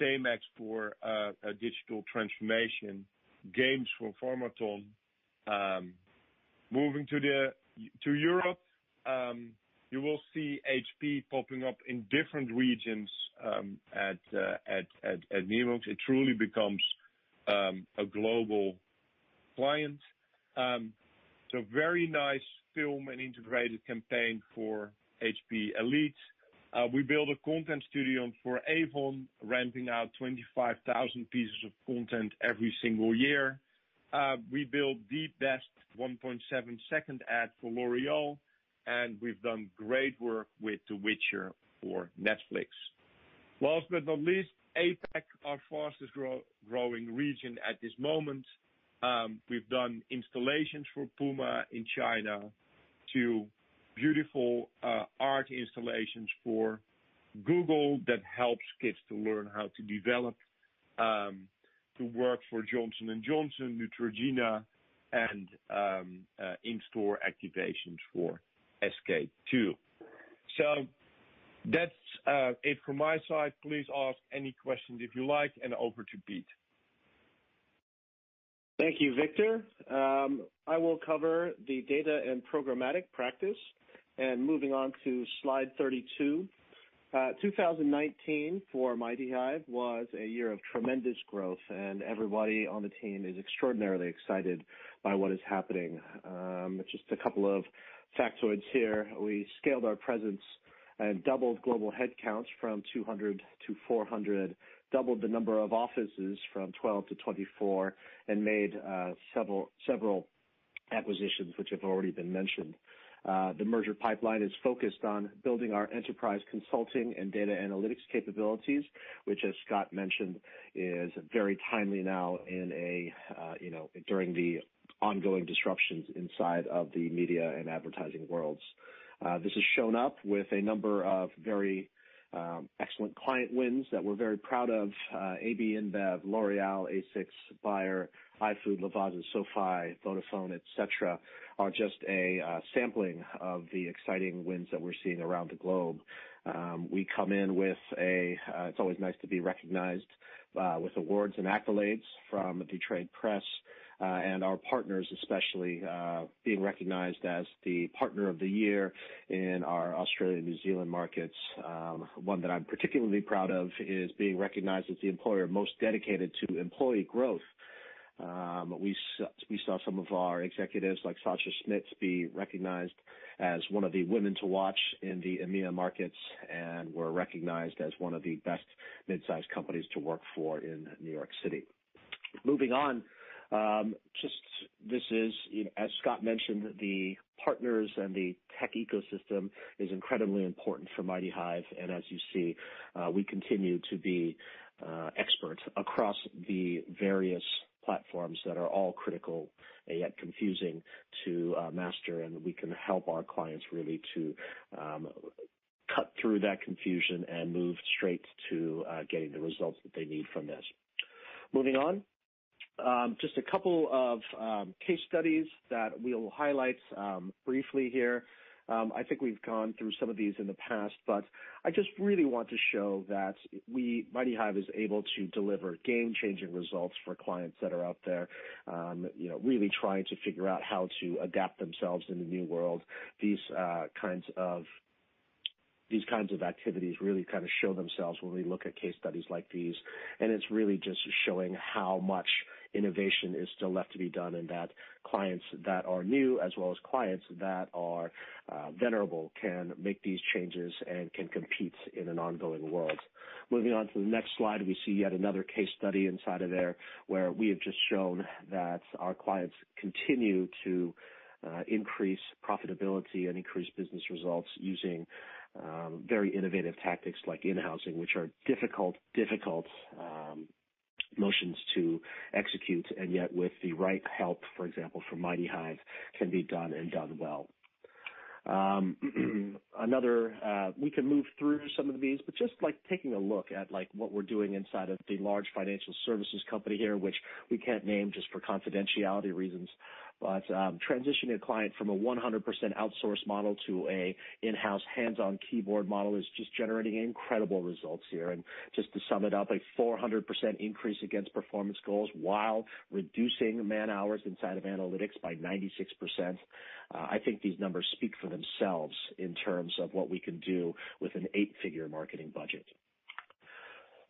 same as for a digital transformation. Games for Pharmaton. Moving to Europe, you will see HP popping up in different regions at [MediaMonks]. It truly becomes a global client. Very nice film and integrated campaign for HP Elite. We build a content studio for Avon, ramping out 25,000 pieces of content every single year. We build the best 1.7-second ad for L'Oréal, and we've done great work with "The Witcher" for Netflix. Last but not least, APAC, our fastest growing region at this moment. We've done installations for Puma in China to beautiful art installations for Google that helps kids to learn how to develop, to work for Johnson & Johnson, Neutrogena, and in-store activations for SK-II. That's it from my side. Please ask any questions if you like, and over to Pete. Thank you, Victor. I will cover the data and programmatic practice. Moving on to slide 32. 2019 for MightyHive was a year of tremendous growth, and everybody on the team is extraordinarily excited by what is happening. Just a couple of factoids here. We scaled our presence and doubled global headcounts from 200 to 400, doubled the number of offices from 12 to 24 and made several acquisitions, which have already been mentioned. The merger pipeline is focused on building our enterprise consulting and data analytics capabilities, which as Scott mentioned, is very timely now during the ongoing disruptions inside of the media and advertising worlds. This has shown up with a number of very excellent client wins that we're very proud of. AB InBev, L'Oréal, ASICS, Bayer, iFood, Lavazza, SoFi, Vodafone, et cetera, are just a sampling of the exciting wins that we're seeing around the globe. We come in with It's always nice to be recognized with awards and accolades from the trade press, and our partners especially, being recognized as the partner of the year in our Australian, New Zealand markets. One that I'm particularly proud of is being recognized as the employer most dedicated to employee growth. We saw some of our executives, like Sasha Schmitz, be recognized as one of the women to watch in the EMEA markets, and we're recognized as one of the best mid-size companies to work for in New York City. Moving on. As Scott mentioned, the partners and the tech ecosystem is incredibly important for MightyHive. As you see, we continue to be experts across the various platforms that are all critical, yet confusing to master. We can help our clients really to cut through that confusion and move straight to getting the results that they need from this. Moving on. Just a couple of case studies that we'll highlight briefly here. I think we've gone through some of these in the past. I just really want to show that MightyHive is able to deliver game-changing results for clients that are out there really trying to figure out how to adapt themselves in the new world. These kinds of activities really show themselves when we look at case studies like these. It's really just showing how much innovation is still left to be done and that clients that are new as well as clients that are venerable can make these changes and can compete in an ongoing world. Moving on to the next slide, we see yet another case study inside of there where we have just shown that our clients continue to increase profitability and increase business results using very innovative tactics like in-housing, which are difficult motions to execute, yet with the right help, for example, from MightyHive, can be done and done well. We can move through some of these, just like taking a look at what we're doing inside of the large financial services company here, which we can't name just for confidentiality reasons. Transitioning a client from a 100% outsource model to an in-house hands-on keyboard model is just generating incredible results here. Just to sum it up, a 400% increase against performance goals while reducing man-hours inside of analytics by 96%. I think these numbers speak for themselves in terms of what we can do with an eight-figure marketing budget.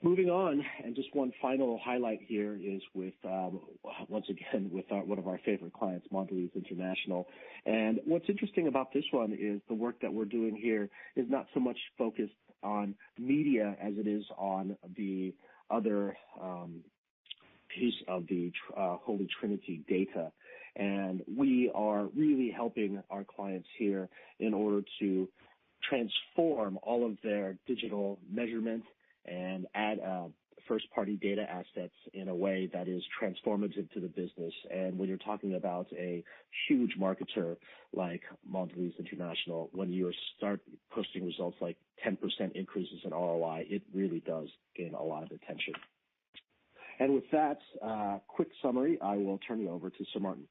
Moving on. Just one final highlight here is, once again, with one of our favorite clients, Mondelēz International. What's interesting about this one is the work that we're doing here is not so much focused on media as it is on the other piece of the holy trinity data. We are really helping our clients here in order to transform all of their digital measurements and add first-party data assets in a way that is transformative to the business. When you're talking about a huge marketer like Mondelēz International, when you start posting results like 10% increases in ROI, it really does gain a lot of attention. With that quick summary, I will turn it over to Sir Martin.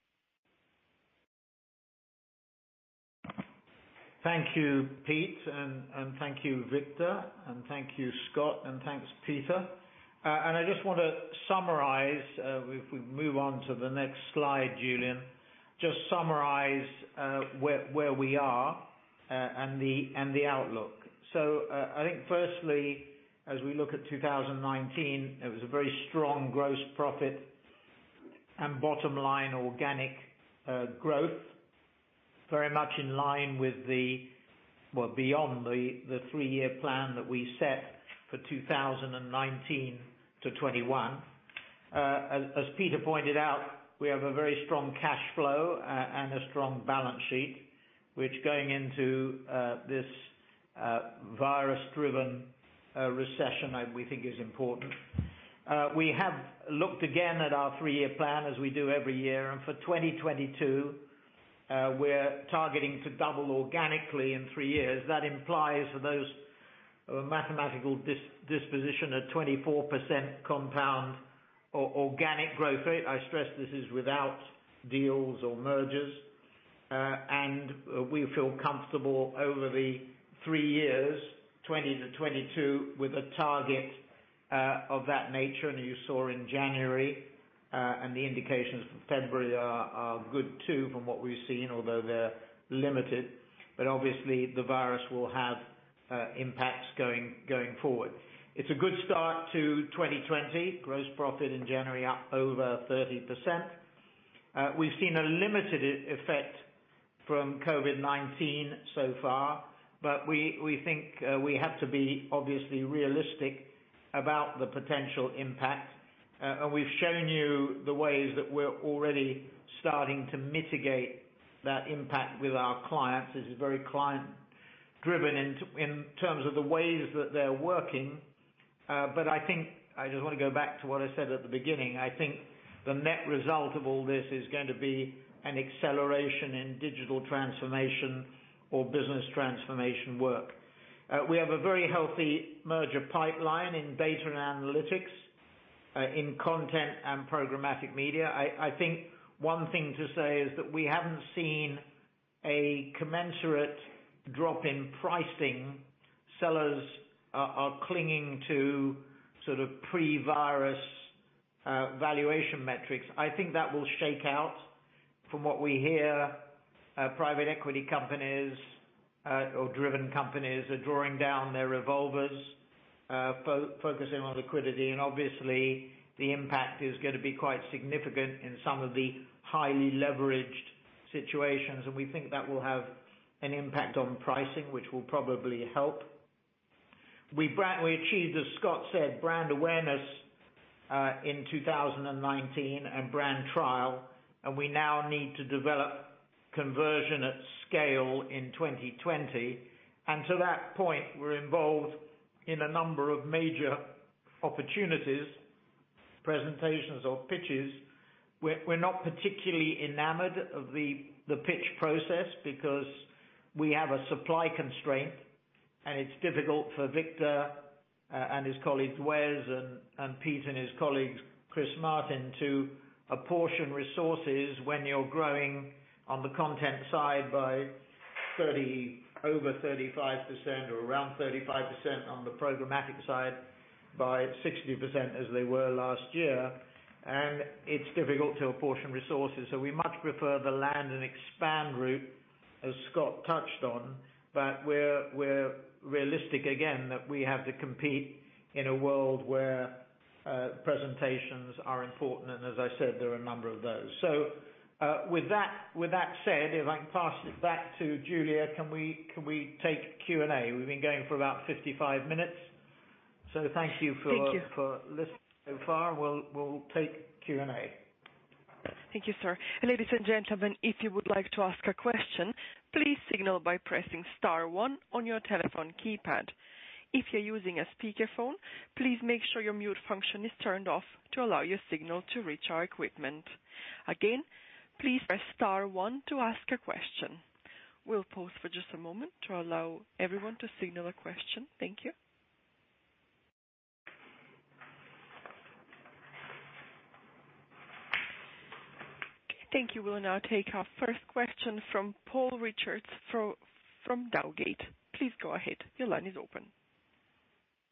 Thank you, Pete, thank you, Victor, thank you, Scott, and thanks, Peter. I just want to summarize, if we move on to the next slide, Julian, just summarize where we are, and the outlook. Firstly, as we look at 2019, it was a very strong gross profit, and bottom-line organic growth, very much in line with well, beyond the three-year plan that we set for 2019 to 2021. As Peter pointed out, we have a very strong cash flow and a strong balance sheet, which going into this virus-driven recession, we think is important. We have looked again at our three-year plan as we do every year. For 2022, we're targeting to double organically in three years. That implies for those of a mathematical disposition, a 24% compound organic growth rate. I stress this is without deals or mergers. We feel comfortable over the three years, 2020-2022, with a target of that nature, you saw in January, and the indications for February are good, too, from what we've seen, although they're limited. Obviously, the virus will have impacts going forward. It's a good start to 2020. Gross profit in January up over 30%. We've seen a limited effect from COVID-19 so far, but we think we have to be obviously realistic about the potential impact. We've shown you the ways that we're already starting to mitigate that impact with our clients. This is very client-driven in terms of the ways that they're working. I think I just want to go back to what I said at the beginning. I think the net result of all this is going to be an acceleration in digital transformation or business transformation work. We have a very healthy merger pipeline in data and analytics, in content and programmatic media. I think one thing to say is that we haven't seen a commensurate drop in pricing. Sellers are clinging to sort of pre-virus valuation metrics. I think that will shake out. From what we hear, private equity companies or driven companies are drawing down their revolvers, focusing on liquidity. Obviously, the impact is going to be quite significant in some of the highly leveraged situations, and we think that will have an impact on pricing, which will probably help. We achieved, as Scott said, brand awareness in 2019 and brand trial. We now need to develop conversion at scale in 2020. To that point, we're involved in a number of major opportunities, presentations, or pitches. We're not particularly enamored of the pitch process because we have a supply constraint, and it's difficult for Victor and his colleagues, Wes, and Pete and his colleagues, Chris Martin, to apportion resources when you're growing on the content side by over 35% or around 35% on the programmatic side, by 60% as they were last year. It's difficult to apportion resources. We much prefer the land and expand route, as Scott touched on. We're realistic again that we have to compete in a world where presentations are important, and as I said, there are a number of those. With that said, if I can pass it back to Julia, can we take Q&A? We've been going for about 55 minutes. Thank you for- Thank you. listening so far. We'll take Q&A. Thank you, sir. Ladies and gentlemen, if you would like to ask a question, please signal by pressing star one on your telephone keypad. If you're using a speakerphone, please make sure your mute function is turned off to allow your signal to reach our equipment. Again, please press star one to ask a question. We'll pause for just a moment to allow everyone to signal a question. Thank you. Thank you. We'll now take our first question from Paul Richards from Dowgate. Please go ahead. Your line is open.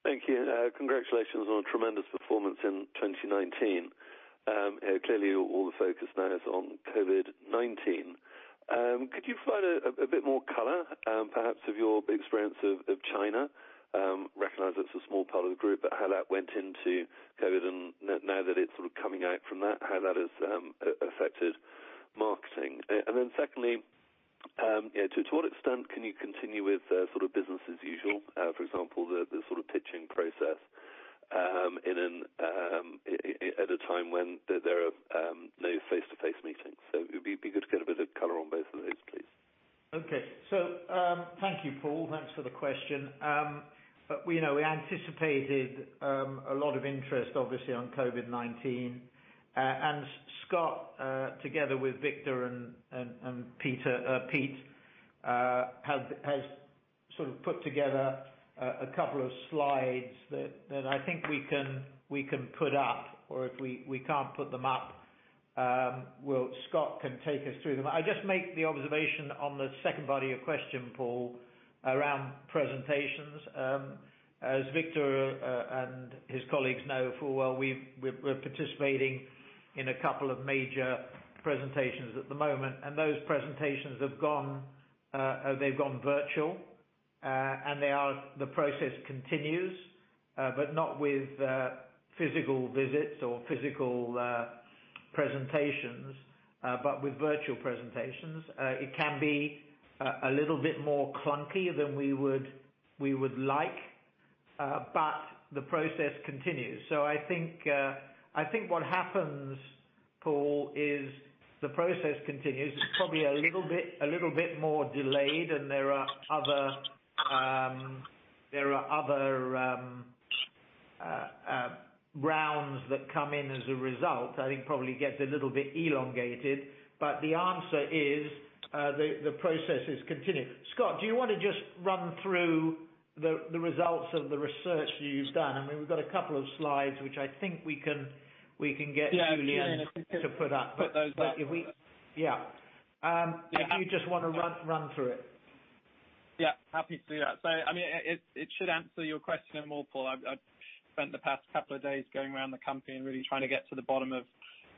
Thank you. Congratulations on a tremendous performance in 2019. Clearly, all the focus now is on COVID-19. Could you provide a bit more color, perhaps, of your experience of China? Recognize it's a small part of the group, but how that went into COVID-19, and now that it's sort of coming out from that, how that has affected marketing. Secondly, to what extent can you continue with business as usual? For example, the pitching process at a time when there are no face-to-face meetings. It would be good to get a bit of color on both of those, please. Okay. Thank you, Paul. Thanks for the question. We anticipated a lot of interest, obviously, on COVID-19. Scott, together with Victor and Pete, has sort of put together a couple of slides that I think we can put up, or if we can't put them up, Scott can take us through them. I just make the observation on the second body of question, Paul, around presentations. As Victor and his colleagues know full well, we're participating in a couple of major presentations at the moment, and those presentations, they've gone virtual. The process continues, but not with physical visits or physical presentations, but with virtual presentations. It can be a little bit more clunky than we would like, but the process continues. I think what happens, Paul, is the process continues. It's probably a little bit more delayed, and there are other rounds that come in as a result. I think probably gets a little bit elongated. The answer is, the process is continuing. Scott, do you want to just run through the results of the research that you've done? I mean, we've got a couple of slides, which I think we can get Julian to put up. Yeah. Yeah. If you just want to run through it. Yeah, happy to do that. It should answer your question and more, Paul. I've spent the past couple of days going around the company and really trying to get to the bottom of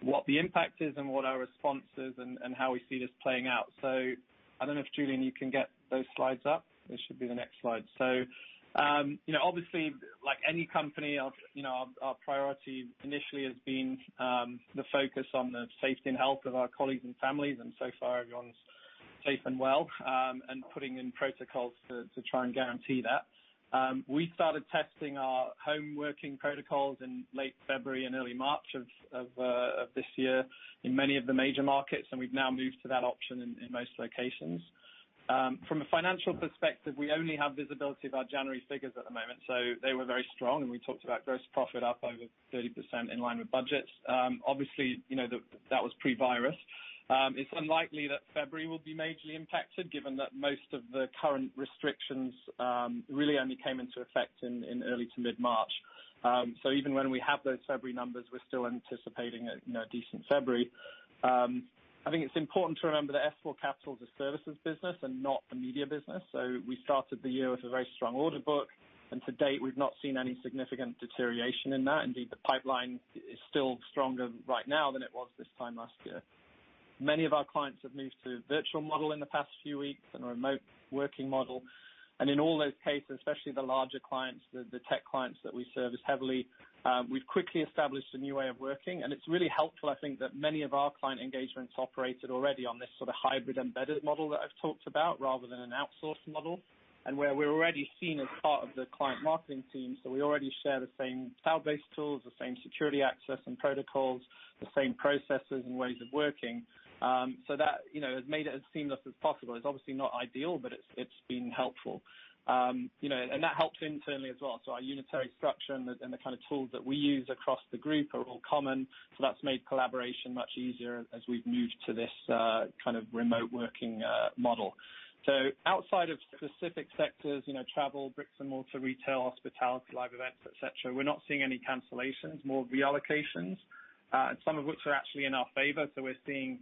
what the impact is and what our response is and how we see this playing out. I don't know if, Julian, you can get those slides up. This should be the next slide. Obviously, like any company, our priority initially has been the focus on the safety and health of our colleagues and families, and so far, everyone's safe and well, and putting in protocols to try and guarantee that. We started testing our home working protocols in late February and early March of this year in many of the major markets, and we've now moved to that option in most locations. From a financial perspective, we only have visibility of our January figures at the moment. They were very strong, and we talked about gross profit up over 30% in line with budgets. Obviously, that was pre-virus. It's unlikely that February will be majorly impacted given that most of the current restrictions really only came into effect in early to mid-March. Even when we have those February numbers, we're still anticipating a decent February. I think it's important to remember that S4 Capital is a services business and not a media business. We started the year with a very strong order book, and to date, we've not seen any significant deterioration in that. Indeed, the pipeline is still stronger right now than it was this time last year. Many of our clients have moved to a virtual model in the past few weeks and a remote working model. In all those cases, especially the larger clients, the tech clients that we service heavily, we've quickly established a new way of working. It's really helpful, I think, that many of our client engagements operated already on this sort of hybrid embedded model that I've talked about rather than an outsourced model, and where we're already seen as part of the client marketing team. We already share the same cloud-based tools, the same security access and protocols, the same processes and ways of working. That has made it as seamless as possible. It's obviously not ideal, but it's been helpful. That helps internally as well. Our unitary structure and the kind of tools that we use across the group are all common, so that's made collaboration much easier as we've moved to this kind of remote working model. Outside of specific sectors, travel, bricks and mortar, retail, hospitality, live events, et cetera, we're not seeing any cancellations, more reallocations. Some of which are actually in our favor. We're seeing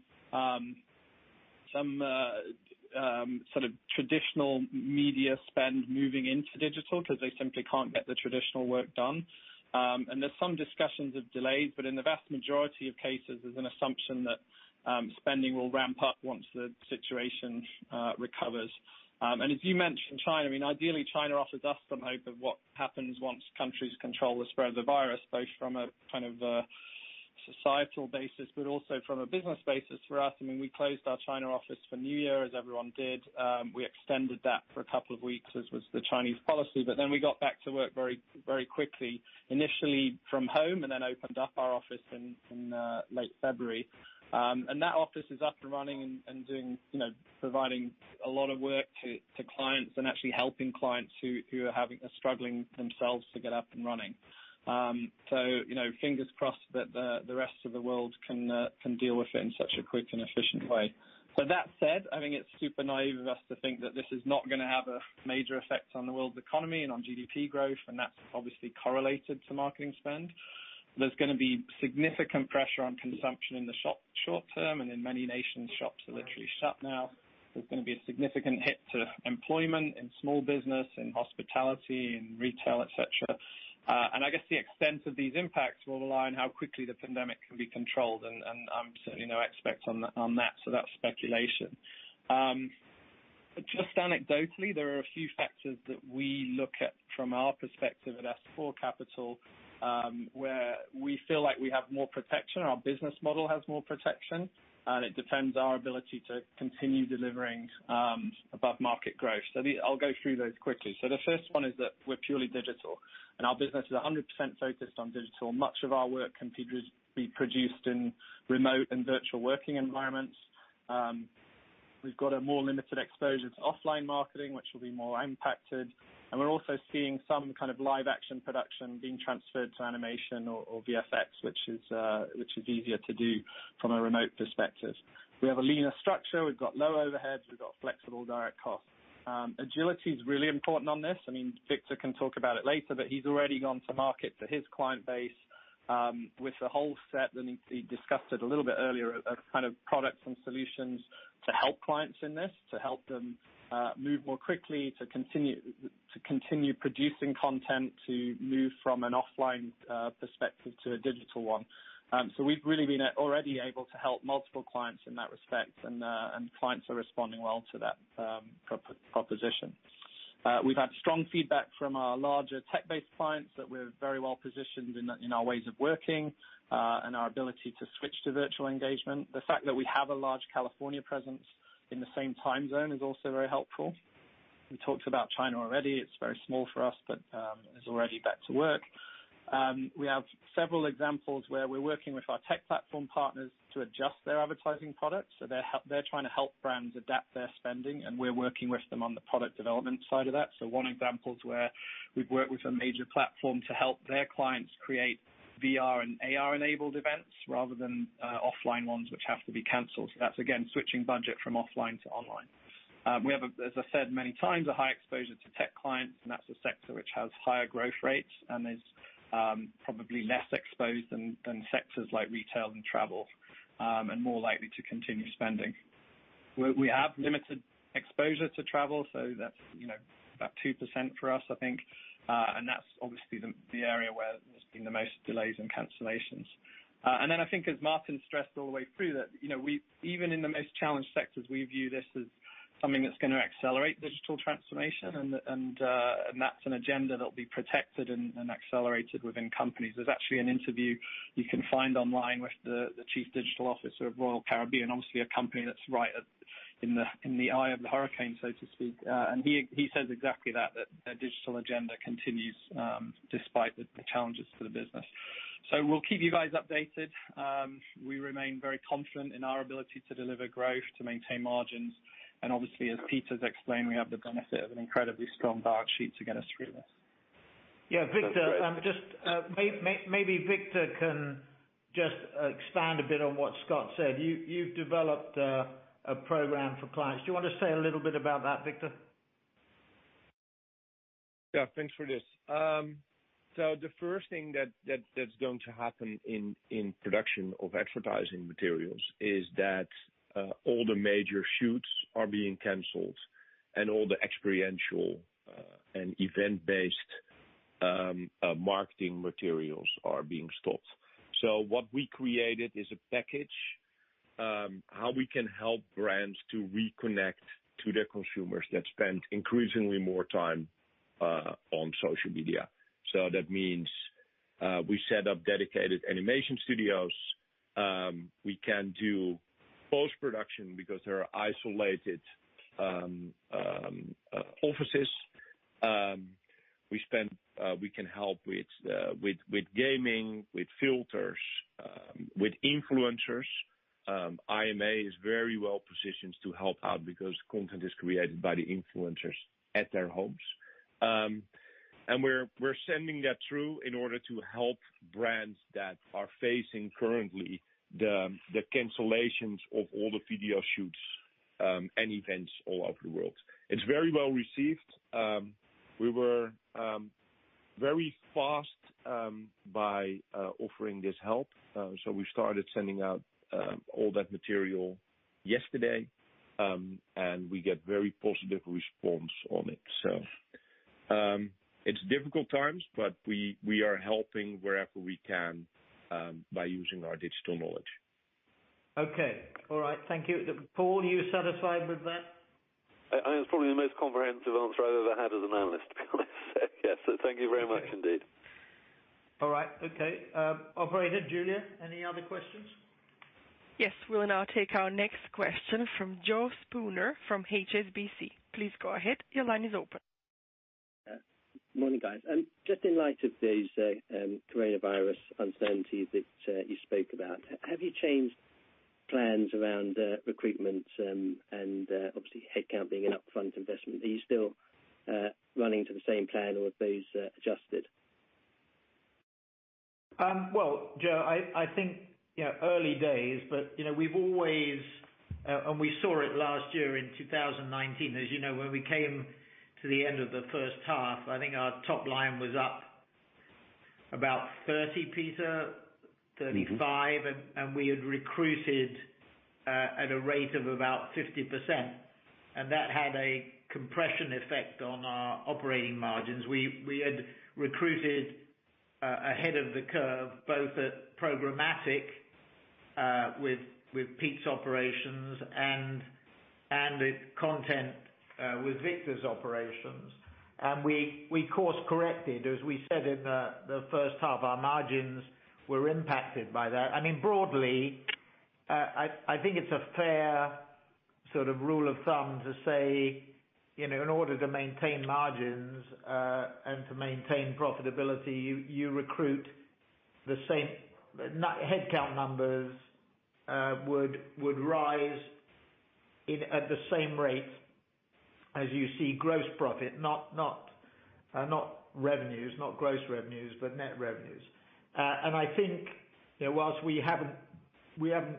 some sort of traditional media spend moving into digital because they simply can't get the traditional work done. There's some discussions of delays, but in the vast majority of cases, there's an assumption that spending will ramp up once the situation recovers. As you mentioned, China, I mean, ideally, China offers us some hope of what happens once countries control the spread of the virus, both from a kind of societal basis, but also from a business basis for us. I mean, we closed our China office for New Year, as everyone did. We extended that for a couple of weeks, as was the Chinese policy. We got back to work very quickly, initially from home, and then opened up our office in late February. That office is up and running and providing a lot of work to clients and actually helping clients who are struggling themselves to get up and running. Fingers crossed that the rest of the world can deal with it in such a quick and efficient way. That said, I think it's super naive of us to think that this is not going to have a major effect on the world's economy and on GDP growth, and that's obviously correlated to marketing spend. There's going to be significant pressure on consumption in the short term, and in many nations, shops are literally shut now. There's going to be a significant hit to employment in small business, in hospitality, in retail, et cetera. I guess the extent of these impacts will rely on how quickly the pandemic can be controlled. I'm certainly no expert on that, so that's speculation. Just anecdotally, there are a few factors that we look at from our perspective at S4 Capital, where we feel like we have more protection, our business model has more protection, and it defends our ability to continue delivering above-market growth. I'll go through those quickly. The first one is that we're purely digital, and our business is 100% focused on digital. Much of our work can be produced in remote and virtual working environments. We've got a more limited exposure to offline marketing, which will be more impacted, and we're also seeing some kind of live action production being transferred to animation or VFX, which is easier to do from a remote perspective. We have a leaner structure, we've got low overheads, we've got flexible direct costs. Agility is really important on this. I mean, Victor can talk about it later, but he's already gone to market for his client base, with the whole set that he discussed it a little bit earlier, of kind of products and solutions to help clients in this, to help them move more quickly, to continue producing content, to move from an offline perspective to a digital one. We've really been already able to help multiple clients in that respect, and clients are responding well to that proposition. We've had strong feedback from our larger tech-based clients that we're very well positioned in our ways of working, and our ability to switch to virtual engagement. The fact that we have a large California presence in the same time zone is also very helpful. We talked about China already. It's very small for us, but, is already back to work. They're trying to help brands adapt their spending, and we're working with them on the product development side of that. One example is where we've worked with a major platform to help their clients create VR and AR enabled events rather than offline ones, which have to be canceled. That's, again, switching budget from offline to online. We have, as I said many times, a high exposure to tech clients. That's a sector which has higher growth rates and is probably less exposed than sectors like retail and travel, and more likely to continue spending. We have limited exposure to travel. That's about 2% for us, I think. That's obviously the area where there's been the most delays and cancellations. I think as Martin stressed all the way through that even in the most challenged sectors, we view this as something that's going to accelerate digital transformation. That's an agenda that will be protected and accelerated within companies. There's actually an interview you can find online with the chief digital officer of Royal Caribbean, obviously a company that's right in the eye of the hurricane, so to speak. He says exactly that their digital agenda continues, despite the challenges to the business. We’ll keep you guys updated. We remain very confident in our ability to deliver growth, to maintain margins, and obviously, as Peter’s explained, we have the benefit of an incredibly strong balance sheet to get us through this. Yeah, Victor, maybe Victor can just expand a bit on what Scott said. You've developed a program for clients. Do you want to say a little bit about that, Victor? Yeah, thanks for this. The first thing that's going to happen in production of advertising materials is that all the major shoots are being canceled and all the experiential, and event-based marketing materials are being stopped. What we created is a package, how we can help brands to reconnect to their consumers that spend increasingly more time on social media. That means, we set up dedicated animation studios. We can do post-production because there are isolated offices. We can help with gaming, with filters, with influencers. IMA is very well positioned to help out because content is created by the influencers at their homes. We're sending that through in order to help brands that are facing currently the cancellations of all the video shoots, and events all over the world. It's very well received. We were very fast by offering this help. We started sending out all that material yesterday, and we get very positive response on it. It's difficult times, but we are helping wherever we can, by using our digital knowledge. Okay. All right. Thank you. Paul, you satisfied with that? It's probably the most comprehensive answer I've ever had as an analyst, to be honest. Thank you very much indeed. All right. Okay. Operator, Julia, any other questions? Yes. We'll now take our next question from Joe Spooner from HSBC. Please go ahead. Your line is open. Morning, guys. Just in light of these coronavirus uncertainties that you spoke about, have you changed plans around recruitment, and obviously head count being an upfront investment? Are you still running to the same plan or are those adjusted? Well, Joe, I think early days, but we've always. We saw it last year in 2019, as you know, when we came to the end of the first half, I think our top line was up about 30%, Peter? 35%. We had recruited at a rate of about 50%, and that had a compression effect on our operating margins. We had recruited ahead of the curve, both at Programmatic with Pete's operations, and with content with Victor's operations. We course-corrected, as we said in the first half, our margins were impacted by that. Broadly, I think it's a fair rule of thumb to say, in order to maintain margins and to maintain profitability, you recruit the same headcount numbers would rise at the same rate as you see gross profit, not revenues, not gross revenues, but net revenues. I think whilst we haven't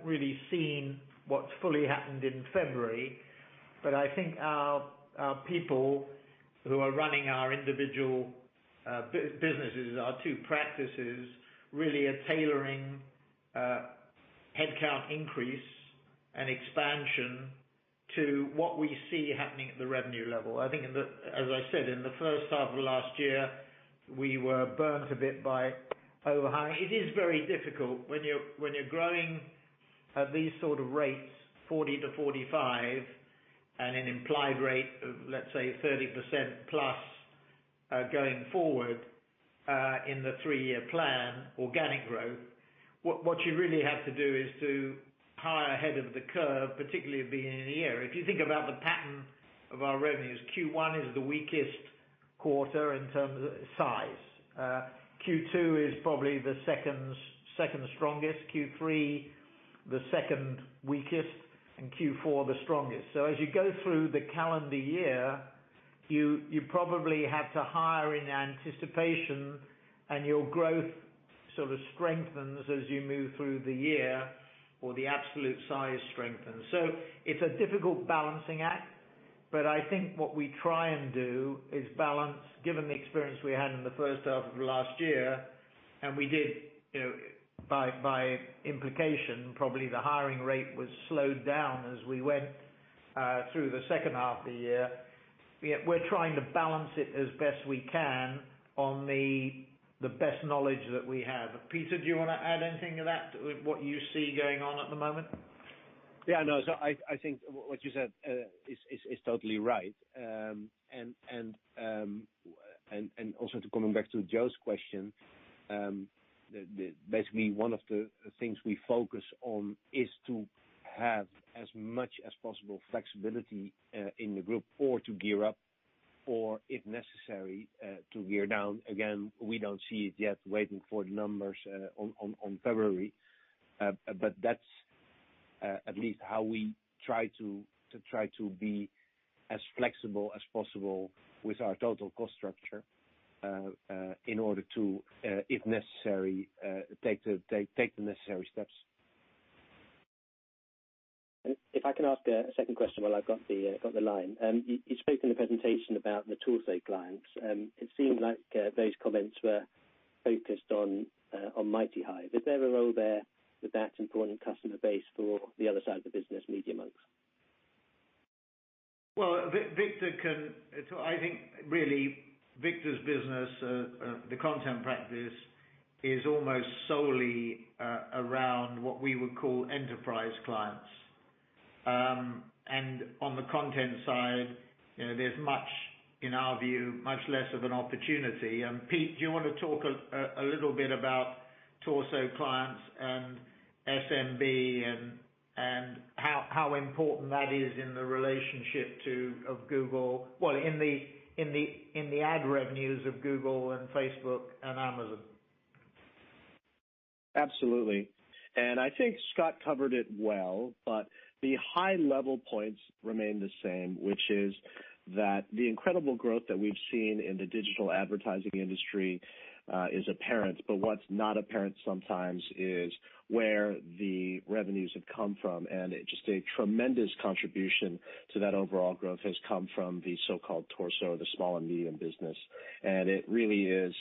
really seen what's fully happened in February, but I think our people who are running our individual businesses, our two practices, really are tailoring headcount increase and expansion to what we see happening at the revenue level. I think as I said, in the first half of last year, we were burnt a bit by over-hiring. It is very difficult when you're growing at these sort of rates, 40%-45%, and an implied rate of, let's say, 30% plus going forward in the three-year plan, organic growth. What you really have to do is to hire ahead of the curve, particularly being in the year. If you think about the pattern of our revenues, Q1 is the weakest quarter in terms of size. Q2 is probably the second strongest, Q3 the second weakest, and Q4 the strongest. As you go through the calendar year, you probably have to hire in anticipation, and your growth sort of strengthens as you move through the year or the absolute size strengthens. It's a difficult balancing act, but I think what we try and do is balance, given the experience we had in the first half of last year, and we did by implication, probably the hiring rate was slowed down as we went through the second half of the year. We're trying to balance it as best we can on the best knowledge that we have. Peter, do you want to add anything to that, with what you see going on at the moment? I think what you said is totally right. Also to coming back to Joe's question, basically one of the things we focus on is to have as much as possible flexibility in the group or to gear up, or if necessary, to gear down. Again, we don't see it yet, waiting for the numbers on February. That's at least how we try to be as flexible as possible with our total cost structure, in order to, if necessary, take the necessary steps. If I can ask a second question while I've got the line. You spoke in the presentation about the torso clients. It seemed like those comments were focused on MightyHive. Is there a role there with that important customer base for the other side of the business, MediaMonks? Well, I think really, Victor's business, the content practice, is almost solely around what we would call enterprise clients. On the content side, there's, in our view, much less of an opportunity. Pete, do you want to talk a little bit about torso clients and SMB and how important that is in the relationship of Google? Well, in the ad revenues of Google and Facebook and Amazon. Absolutely. I think Scott covered it well, the high level points remain the same, which is that the incredible growth that we've seen in the digital advertising industry is apparent. What's not apparent sometimes is where the revenues have come from. Just a tremendous contribution to that overall growth has come from the so-called torso, the small and medium business. It really is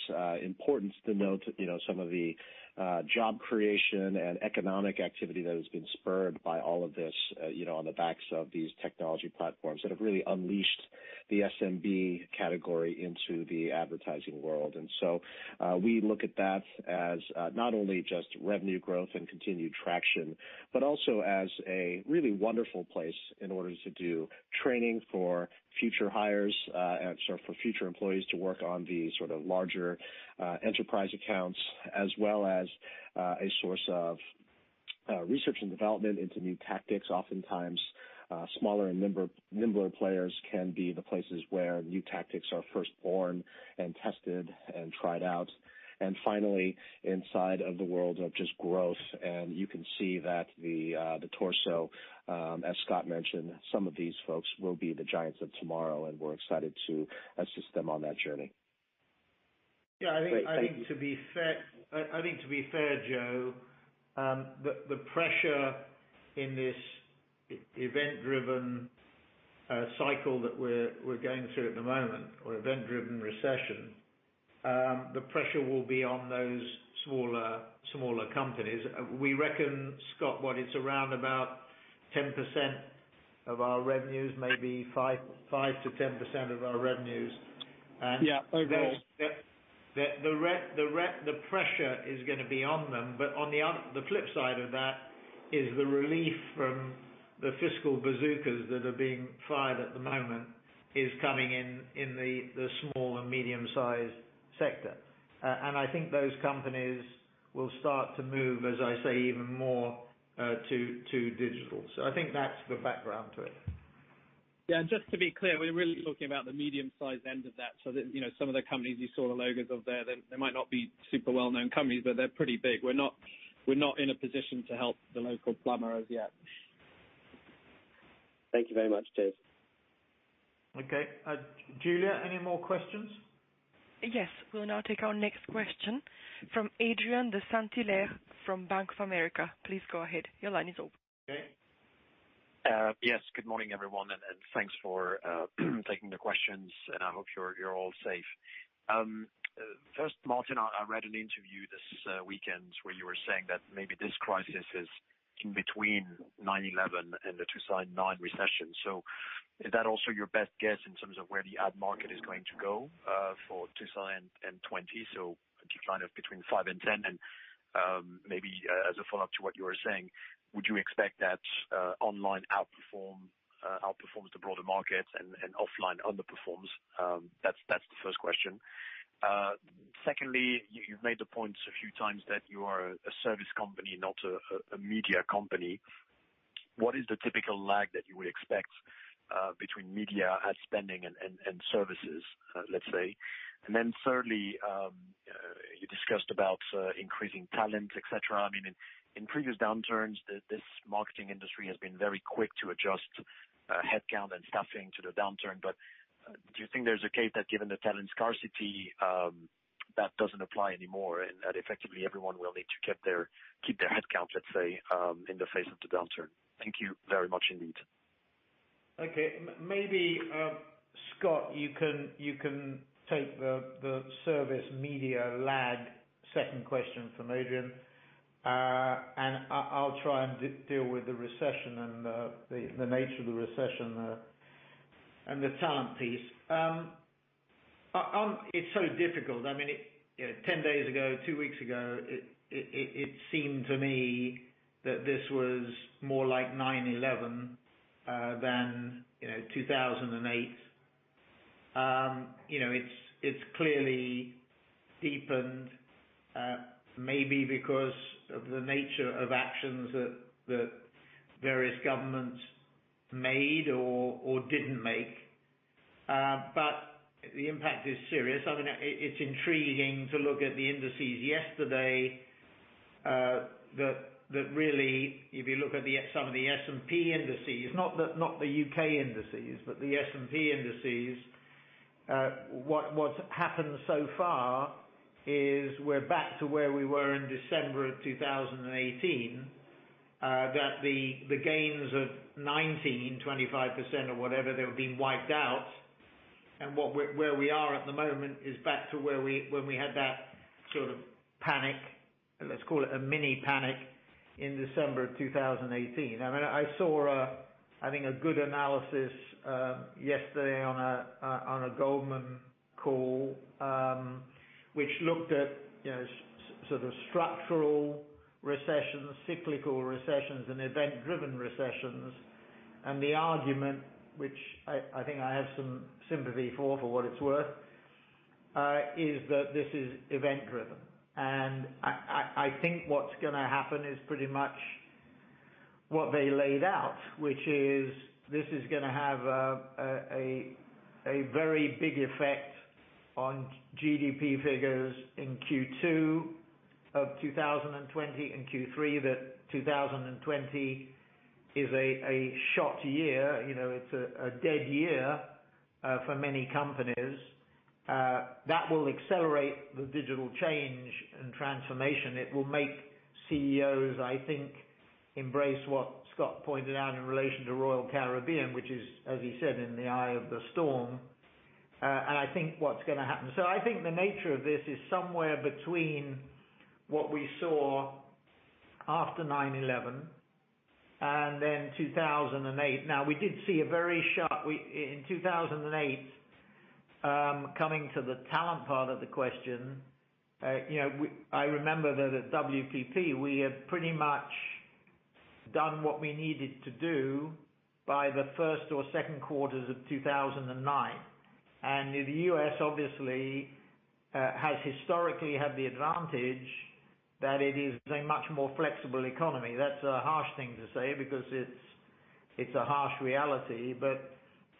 important to note some of the job creation and economic activity that has been spurred by all of this, on the backs of these technology platforms that have really unleashed the SMB category into the advertising world. We look at that as not only just revenue growth and continued traction, but also as a really wonderful place in order to do training for future hires and for future employees to work on the larger enterprise accounts as well as a source of research and development into new tactics. Oftentimes, smaller and nimbler players can be the places where new tactics are first born and tested and tried out. Finally, inside of the world of just growth, and you can see that the torso, as Scott mentioned, some of these folks will be the giants of tomorrow, and we're excited to assist them on that journey. I think to be fair, Joe, the pressure in this event-driven cycle that we're going through at the moment, or event-driven recession. The pressure will be on those smaller companies. We reckon, Scott, what it's around about 10% of our revenues, maybe 5%-10% of our revenues. Yeah. I agree. The pressure is going to be on them. On the flip side of that is the relief from the fiscal bazookas that are being fired at the moment is coming in the small and medium-sized sector. I think those companies will start to move, as I say, even more to digital. I think that's the background to it. Yeah, just to be clear, we're really talking about the medium-sized end of that. Some of the companies you saw the logos of there, they might not be super well-known companies, but they're pretty big. We're not in a position to help the local plumber as yet. Thank you very much, Scott. Okay. Julia, any more questions? Yes. We'll now take our next question from Adrien de Saint Hilaire from Bank of America. Please go ahead. Your line is open. Okay. Good morning, everyone, and thanks for taking the questions, and I hope you're all safe. Martin, I read an interview this weekend where you were saying that maybe this crisis is in between 9/11 and the 2009 recession. Is that also your best guess in terms of where the ad market is going to go for 2020, so decline of between five and 10? Maybe as a follow-up to what you were saying, would you expect that online outperforms the broader market and offline underperforms? That's the first question. You've made the point a few times that you are a service company, not a media company. What is the typical lag that you would expect between media ad spending and services, let's say? Thirdly, you discussed about increasing talent, et cetera? In previous downturns, this marketing industry has been very quick to adjust headcount and staffing to the downturn. Do you think there's a case that given the talent scarcity, that doesn't apply anymore and that effectively everyone will need to keep their headcount, let's say, in the face of the downturn? Thank you very much indeed. Okay. Maybe, Scott, you can take the service media lag second question from Adrien. I'll try and deal with the recession and the nature of the recession and the talent piece. It's so difficult. 10 days ago, two weeks ago, it seemed to me that this was more like 9/11 than 2008. It's clearly deepened, maybe because of the nature of actions that various governments made or didn't make. The impact is serious. It's intriguing to look at the indices yesterday, that really, if you look at some of the S&P indices, not the U.K. indices, but the S&P indices, what's happened so far is we're back to where we were in December of 2018. That the gains of 2019, 25% or whatever, they've been wiped out. Where we are at the moment is back to when we had that sort of panic, let's call it a mini panic, in December of 2018. I saw a good analysis yesterday on a Goldman call, which looked at sort of structural recessions, cyclical recessions, and event-driven recessions. The argument, which I think I have some sympathy for what it's worth, is that this is event-driven. I think what's going to happen is pretty much what they laid out, which is this is going to have a very big effect on GDP figures in Q2 of 2020 and Q3, that 2020 is a shot year. It's a dead year for many companies. That will accelerate the digital change and transformation. It will make CEOs, I think, embrace what Scott pointed out in relation to Royal Caribbean, which is, as you said, in the eye of the storm, and I think what's going to happen. I think the nature of this is somewhere between what we saw after 9/11 and 2008. We did see In 2008, coming to the talent part of the question, I remember that at WPP, we had pretty much done what we needed to do by the first or second quarters of 2009. The U.S. obviously has historically had the advantage that it is a much more flexible economy. That's a harsh thing to say because it's a harsh reality.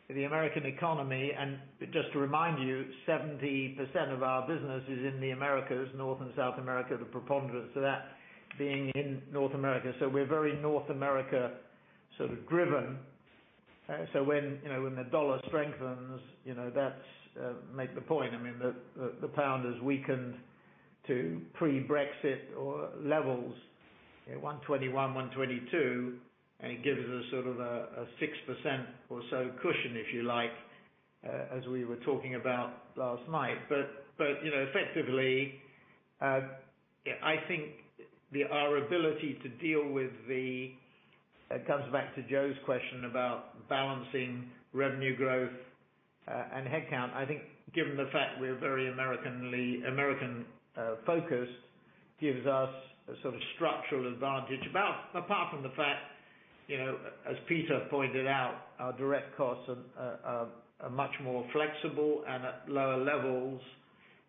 The American economy, and just to remind you, 70% of our business is in the Americas, North and South America, the preponderance of that being in North America. We're very North America sort of driven. When the USD strengthens, that makes the point. The GBP has weakened to pre-Brexit levels at 121, 122, and it gives us sort of a 6% or so cushion, if you like, as we were talking about last night. Effectively, I think our ability to deal with the-- It comes back to Joe's question about balancing revenue growth and headcount. I think given the fact we're very American-focused gives us a sort of structural advantage. Apart from the fact, as Peter pointed out, our direct costs are much more flexible and at lower levels,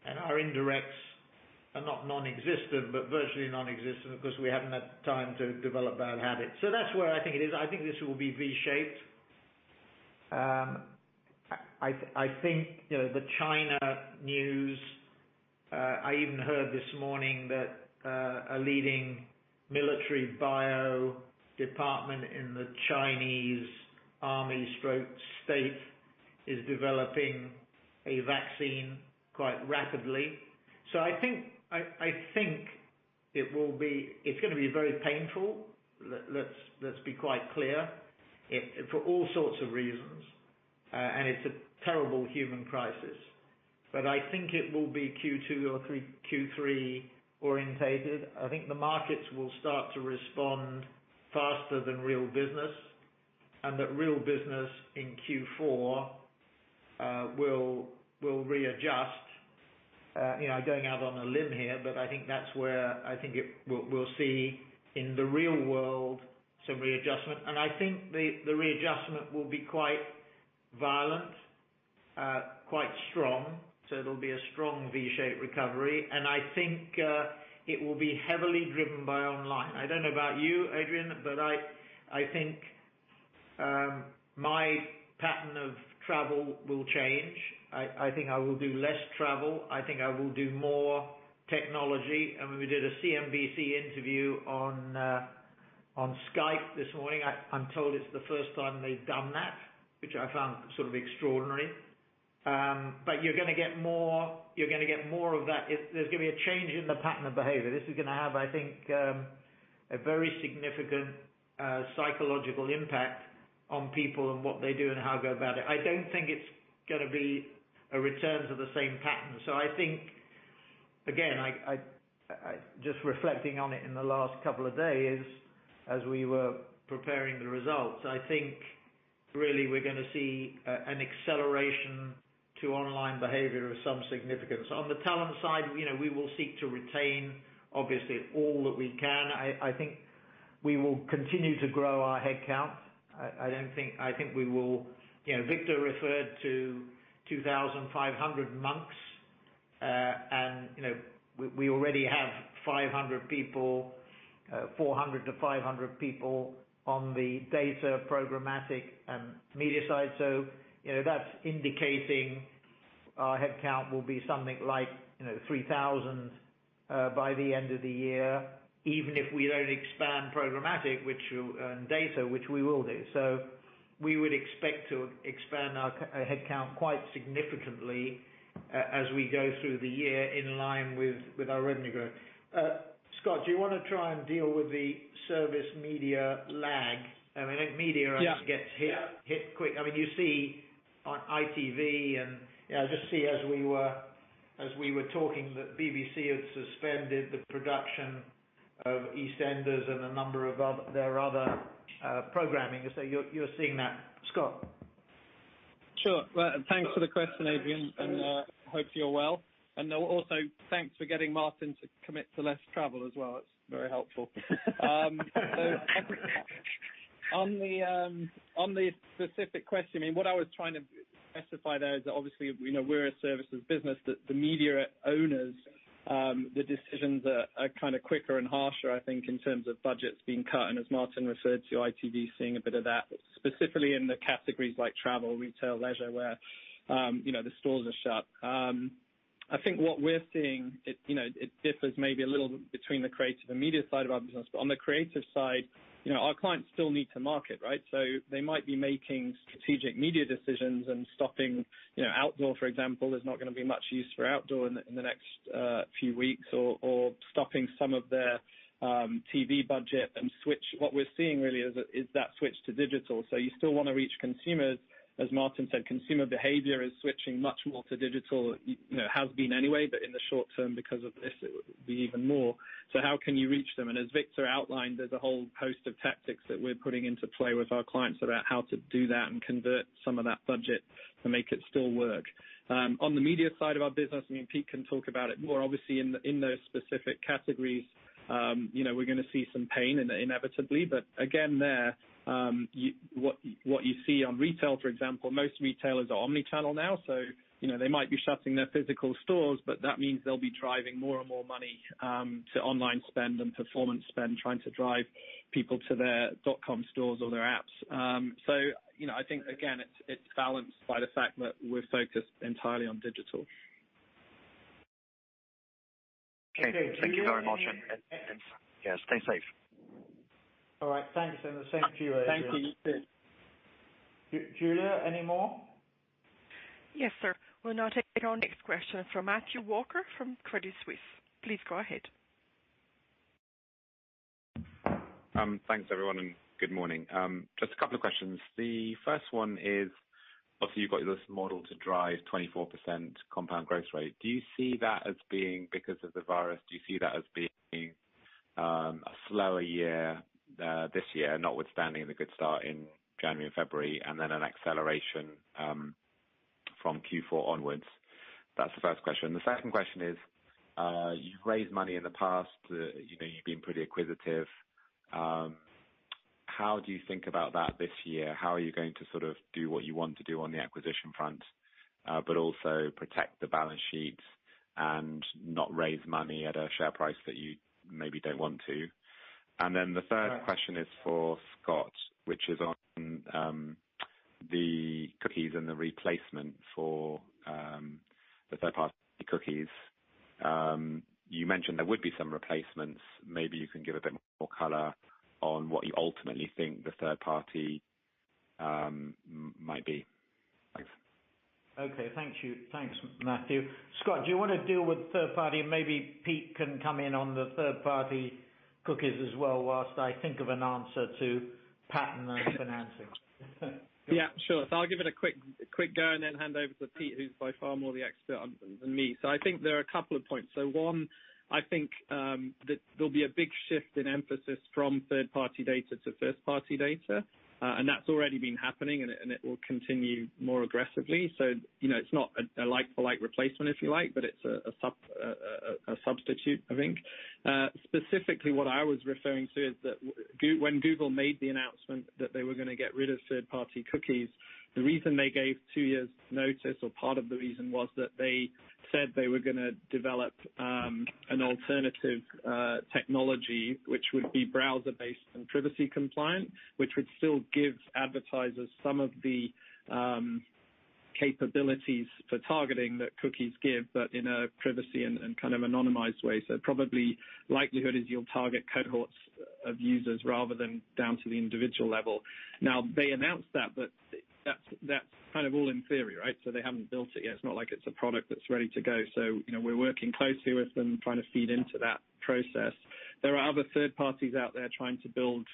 and our indirects are not non-existent, but virtually non-existent because we haven't had time to develop bad habits. That's where I think it is. I think this will be V-shaped. I think the China news, I even heard this morning that a leading military bio department in the Chinese army/state is developing a vaccine quite rapidly. I think it's going to be very painful. Let's be quite clear, for all sorts of reasons, and it's a terrible human crisis. I think it will be Q2 or Q3 oriented. I think the markets will start to respond faster than real business, and that real business in Q4 will readjust. I'm going out on a limb here, I think that's where I think we'll see in the real world some readjustment, and I think the readjustment will be quite violent, quite strong. It'll be a strong V-shaped recovery, and I think it will be heavily driven by online. I don't know about you, Adrien, I think my pattern of travel will change. I think I will do less travel. I think I will do more technology. When we did a CNBC interview on Skype this morning, I'm told it's the first time they've done that, which I found sort of extraordinary. You're going to get more of that. There's going to be a change in the pattern of behavior. This is going to have, I think, a very significant psychological impact on people and what they do and how they go about it. I don't think it's going to be a return to the same pattern. I think, again, just reflecting on it in the last couple of days as we were preparing the results, I think really we're going to see an acceleration to online behavior of some significance. On the talent side, we will seek to retain, obviously, all that we can. I think we will continue to grow our headcount. Victor referred to 2,500 Monks, and we already have 400-500 people on the data programmatic and media side. That's indicating our headcount will be something like 3,000 by the end of the year, even if we don't expand programmatic and data, which we will do. We would expect to expand our headcount quite significantly as we go through the year in line with our revenue growth. Scott, do you want to try and deal with the service media lag? I think media always- Yeah gets hit quick. You see on ITV, I just see as we were talking that BBC had suspended the production of "EastEnders" and a number of their other programming. You're seeing that. Scott? Sure. Thanks for the question, Adrien, hope you're well. Also, thanks for getting Martin to commit to less travel as well. It's very helpful. On the specific question, what I was trying to specify there is that obviously we're a services business, that the media owners, the decisions are kind of quicker and harsher, I think, in terms of budgets being cut, as Martin referred to, ITV seeing a bit of that, specifically in the categories like travel, retail, leisure, where the stores are shut. I think what we're seeing, it differs maybe a little between the creative and media side of our business. On the creative side, our clients still need to market, right? They might be making strategic media decisions and stopping outdoor, for example. There's not going to be much use for outdoor in the next few weeks or stopping some of their TV budget and what we're seeing really is that switch to digital. You still want to reach consumers. As Martin said, consumer behavior is switching much more to digital. It has been anyway, but in the short term, because of this, it will be even more. How can you reach them? As Victor outlined, there's a whole host of tactics that we're putting into play with our clients about how to do that and convert some of that budget to make it still work. On the media side of our business, Pete can talk about it more. Obviously, in those specific categories, we're going to see some pain inevitably. Again, there, what you see on retail, for example, most retailers are omnichannel now, so they might be shutting their physical stores, but that means they'll be driving more and more money to online spend and performance spend, trying to drive people to their dot-com stores or their apps. I think, again, it's balanced by the fact that we're focused entirely on digital. Okay. Thank you very much. Yeah, stay safe. All right. Thanks, and the same to you, Adrien. Thank you. You too. Julia, any more? Yes, sir. We'll now take our next question from Matthew Walker from Credit Suisse. Please go ahead. Thanks, everyone, and good morning. Just a couple of questions. The first one is, obviously, you've got this model to drive 24% compound growth rate. Do you see that as being because of the virus? Do you see that as being a slower year this year, notwithstanding the good start in January and February, and then an acceleration from Q4 onwards? That's the first question. The second question is, you've raised money in the past. You've been pretty acquisitive. How do you think about that this year? How are you going to sort of do what you want to do on the acquisition front, but also protect the balance sheet and not raise money at a share price that you maybe don't want to? The third question is for Scott, which is on the cookies and the replacement for the third-party cookies. You mentioned there would be some replacements. Maybe you can give a bit more color on what you ultimately think the third party might be. Thanks. Okay. Thank you. Thanks, Matthew. Scott, do you want to deal with third-party, and maybe Pete can come in on the third-party cookies as well while I think of an answer to patent and financing? Yeah, sure. I'll give it a quick go and then hand over to Pete, who's by far more the expert on them than me. I think there are a couple of points. One, I think that there'll be a big shift in emphasis from third-party data to first-party data. That's already been happening, and it will continue more aggressively. It's not a like-for-like replacement if you like, but it's a substitute, I think. Specifically what I was referring to is that when Google made the announcement that they were going to get rid of third-party cookies, the reason they gave two years notice, or part of the reason, was that they said they were gonna develop an alternative technology, which would be browser-based and privacy compliant, which would still give advertisers some of the capabilities for targeting that cookies give, but in a privacy and kind of anonymized way. Probably, likelihood is you'll target cohorts of users rather than down to the individual level. Now, they announced that's kind of all in theory, right? They haven't built it yet. It's not like it's a product that's ready to go. We're working closely with them, trying to feed into that process. There are other third parties out there trying to build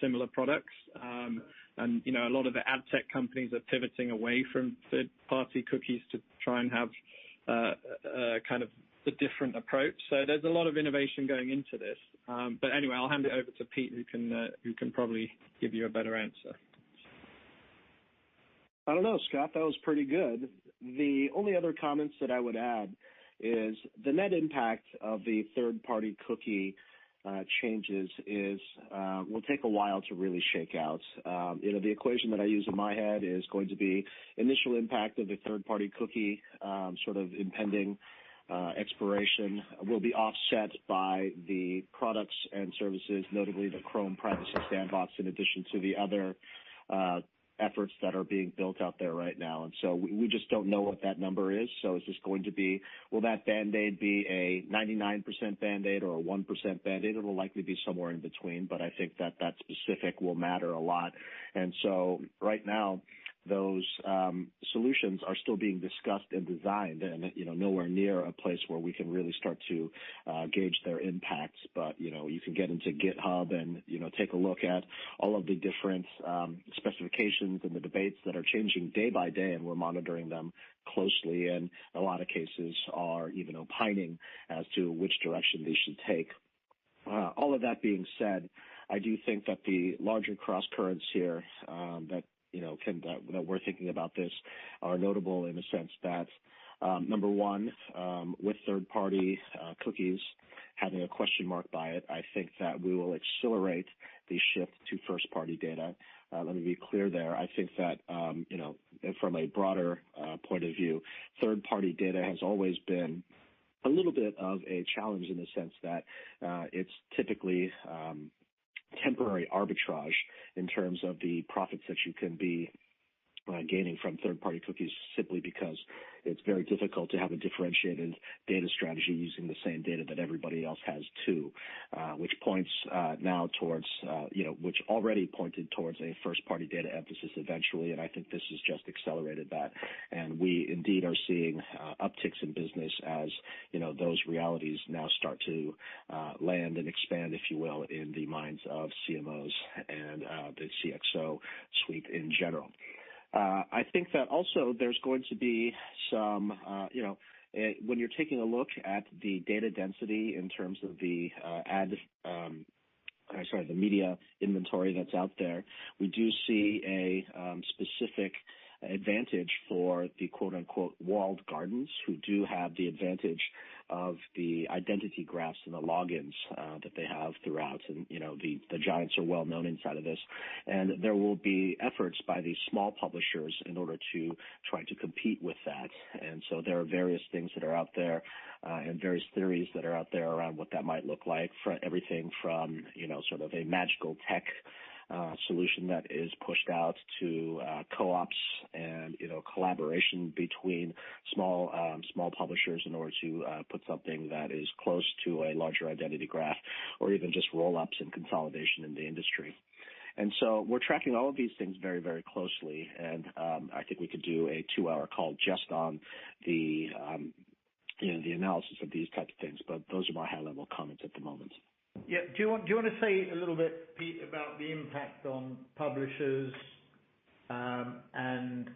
similar products. A lot of the ad tech companies are pivoting away from third-party cookies to try and have a kind of a different approach. There's a lot of innovation going into this. Anyway, I'll hand it over to Pete, who can probably give you a better answer. I don't know, Scott, that was pretty good. The only other comments that I would add is the net impact of the third-party cookie changes will take a while to really shake out. The equation that I use in my head is going to be initial impact of the third-party cookie, sort of impending expiration will be offset by the products and services, notably the Chrome Privacy Sandbox, in addition to the other efforts that are being built out there right now. We just don't know what that number is. Will that band-aid be a 99% band-aid or a 1% band-aid? It'll likely be somewhere in between, but I think that that specific will matter a lot. Right now, those solutions are still being discussed and designed and nowhere near a place where we can really start to gauge their impacts. You can get into GitHub and take a look at all of the different specifications and the debates that are changing day by day, and we're monitoring them closely, and a lot of cases are even opining as to which direction they should take. All of that being said, I do think that the larger crosscurrents here that we're thinking about this are notable in the sense that, number one, with third-party cookies having a question mark by it, I think that we will accelerate the shift to first-party data. Let me be clear there. I think that from a broader point of view, third-party data has always been a little bit of a challenge in the sense that it's typically temporary arbitrage in terms of the profits that you can be gaining from third-party cookies, simply because it's very difficult to have a differentiated data strategy using the same data that everybody else has too. Which already pointed towards a first-party data emphasis eventually, and I think this has just accelerated that. We indeed are seeing upticks in business as those realities now start to land and expand, if you will, in the minds of CMOs and the CXO suite in general. When you're taking a look at the data density in terms of the ad, sorry, the media inventory that's out there, we do see a specific advantage for the quote unquote walled gardens who do have the advantage of the identity graphs and the logins that they have throughout, and the giants are well known inside of this. There will be efforts by these small publishers in order to try to compete with that. There are various things that are out there, and various theories that are out there around what that might look like. Everything from sort of a magical tech solution that is pushed out to co-ops and collaboration between small publishers in order to put something that is close to a larger identity graph, or even just roll-ups and consolidation in the industry. We're tracking all of these things very closely, and I think we could do a two-hour call just on the analysis of these types of things, but those are my high-level comments at the moment. Yeah. Do you want to say a little bit, Pete, about the impact on publishers, and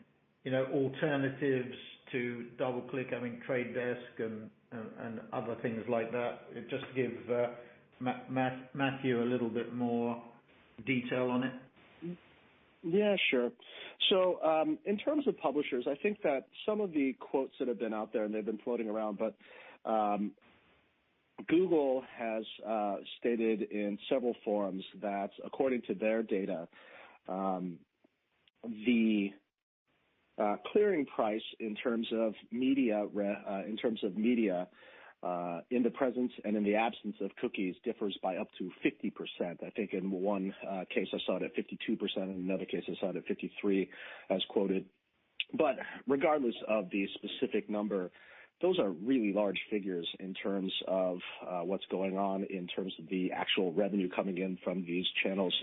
alternatives to DoubleClick, I mean, Trade Desk and other things like that, just to give Matthew a little bit more detail on it? Yeah, sure. In terms of publishers, I think that some of the quotes that have been out there, and they've been floating around, but Google has stated in several forums that according to their data, the clearing price in terms of media, in the presence and in the absence of cookies, differs by up to 50%. I think in one case I saw it at 52%, and another case I saw it at 53%, as quoted. Regardless of the specific number, those are really large figures in terms of what's going on, in terms of the actual revenue coming in from these channels.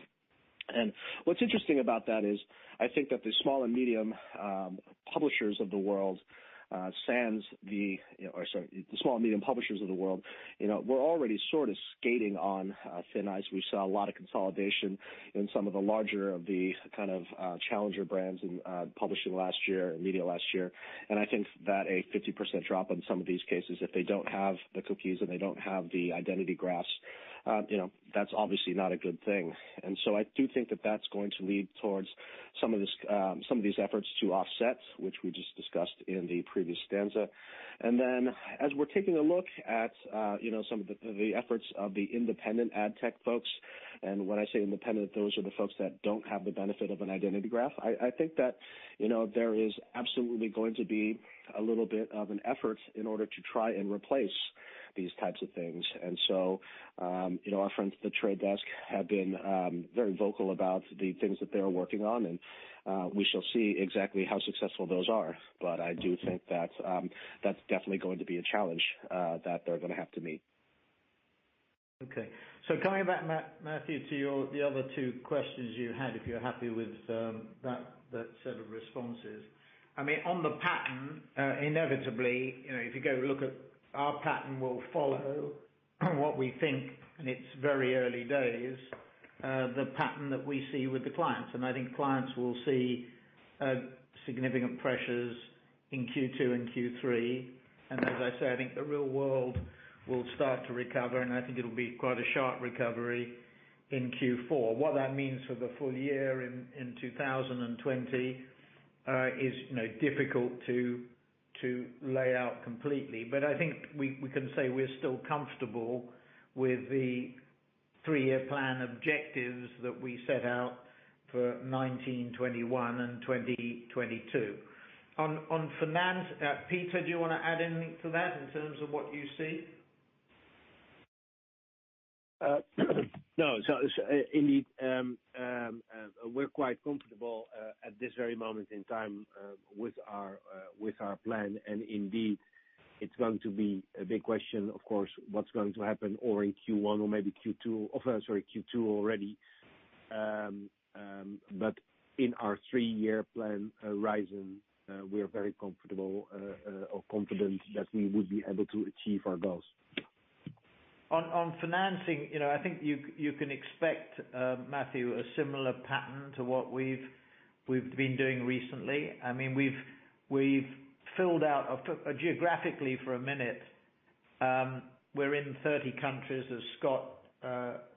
What's interesting about that is, I think that the small and medium publishers of the world were already sort of skating on thin ice. We saw a lot of consolidation in some of the larger of the kind of challenger brands in publishing last year, in media last year, and I think that a 50% drop on some of these cases, if they don't have the cookies and they don't have the identity graphs, that's obviously not a good thing. I do think that that's going to lead towards some of these efforts to offset, which we just discussed in the previous stanza. As we're taking a look at some of the efforts of the independent ad tech folks, and when I say independent, those are the folks that don't have the benefit of an identity graph. I think that there is absolutely going to be a little bit of an effort in order to try and replace these types of things. Our friends at The Trade Desk have been very vocal about the things that they're working on, and we shall see exactly how successful those are. I do think that's definitely going to be a challenge that they're going to have to meet. Coming back, Matthew, to the other two questions you had, if you're happy with that set of responses. On the pattern, inevitably, if you go look at our pattern, we'll follow what we think, and it's very early days, the pattern that we see with the clients. I think clients will see significant pressures in Q2 and Q3. As I say, I think the real world will start to recover, and I think it'll be quite a sharp recovery in Q4. What that means for the full year in 2020 is difficult to lay out completely. I think we can say we're still comfortable with the three-year plan objectives that we set out for 2019, 2021, and 2022. On finance, Peter, do you want to add anything to that in terms of what you see? No. Indeed, we're quite comfortable at this very moment in time, with our plan. Indeed, it's going to be a big question, of course, what's going to happen or in Q1 or maybe Q2, sorry, Q2 already. In our three-year plan horizon, we're very comfortable or confident that we would be able to achieve our goals. On financing, I think you can expect, Matthew, a similar pattern to what we've been doing recently. We've filled out, geographically for a minute, we're in 30 countries, as Scott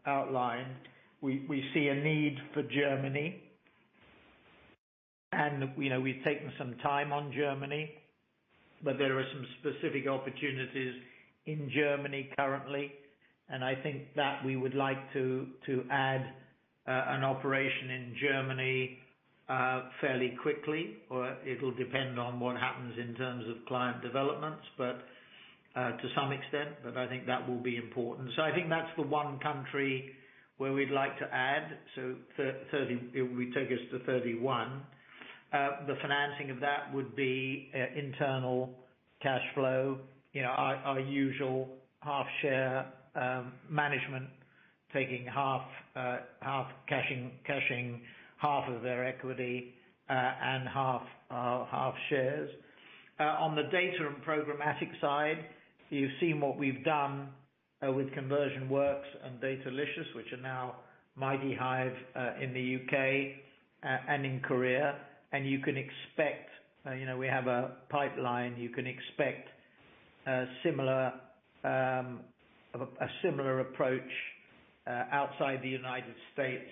outlined. We see a need for Germany. We've taken some time on Germany, but there are some specific opportunities in Germany currently, and I think that we would like to add an operation in Germany fairly quickly, or it'll depend on what happens in terms of client developments, but to some extent, but I think that will be important. I think that's the one country where we'd like to add, so it would take us to 31. The financing of that would be internal cash flow, our usual half share, management taking half, cashing half of their equity, and half shares. On the data and programmatic side, you've seen what we've done with ConversionWorks and Datalicious, which are now MightyHive in the U.K. and in Korea. You can expect, we have a pipeline, you can expect a similar approach outside the United States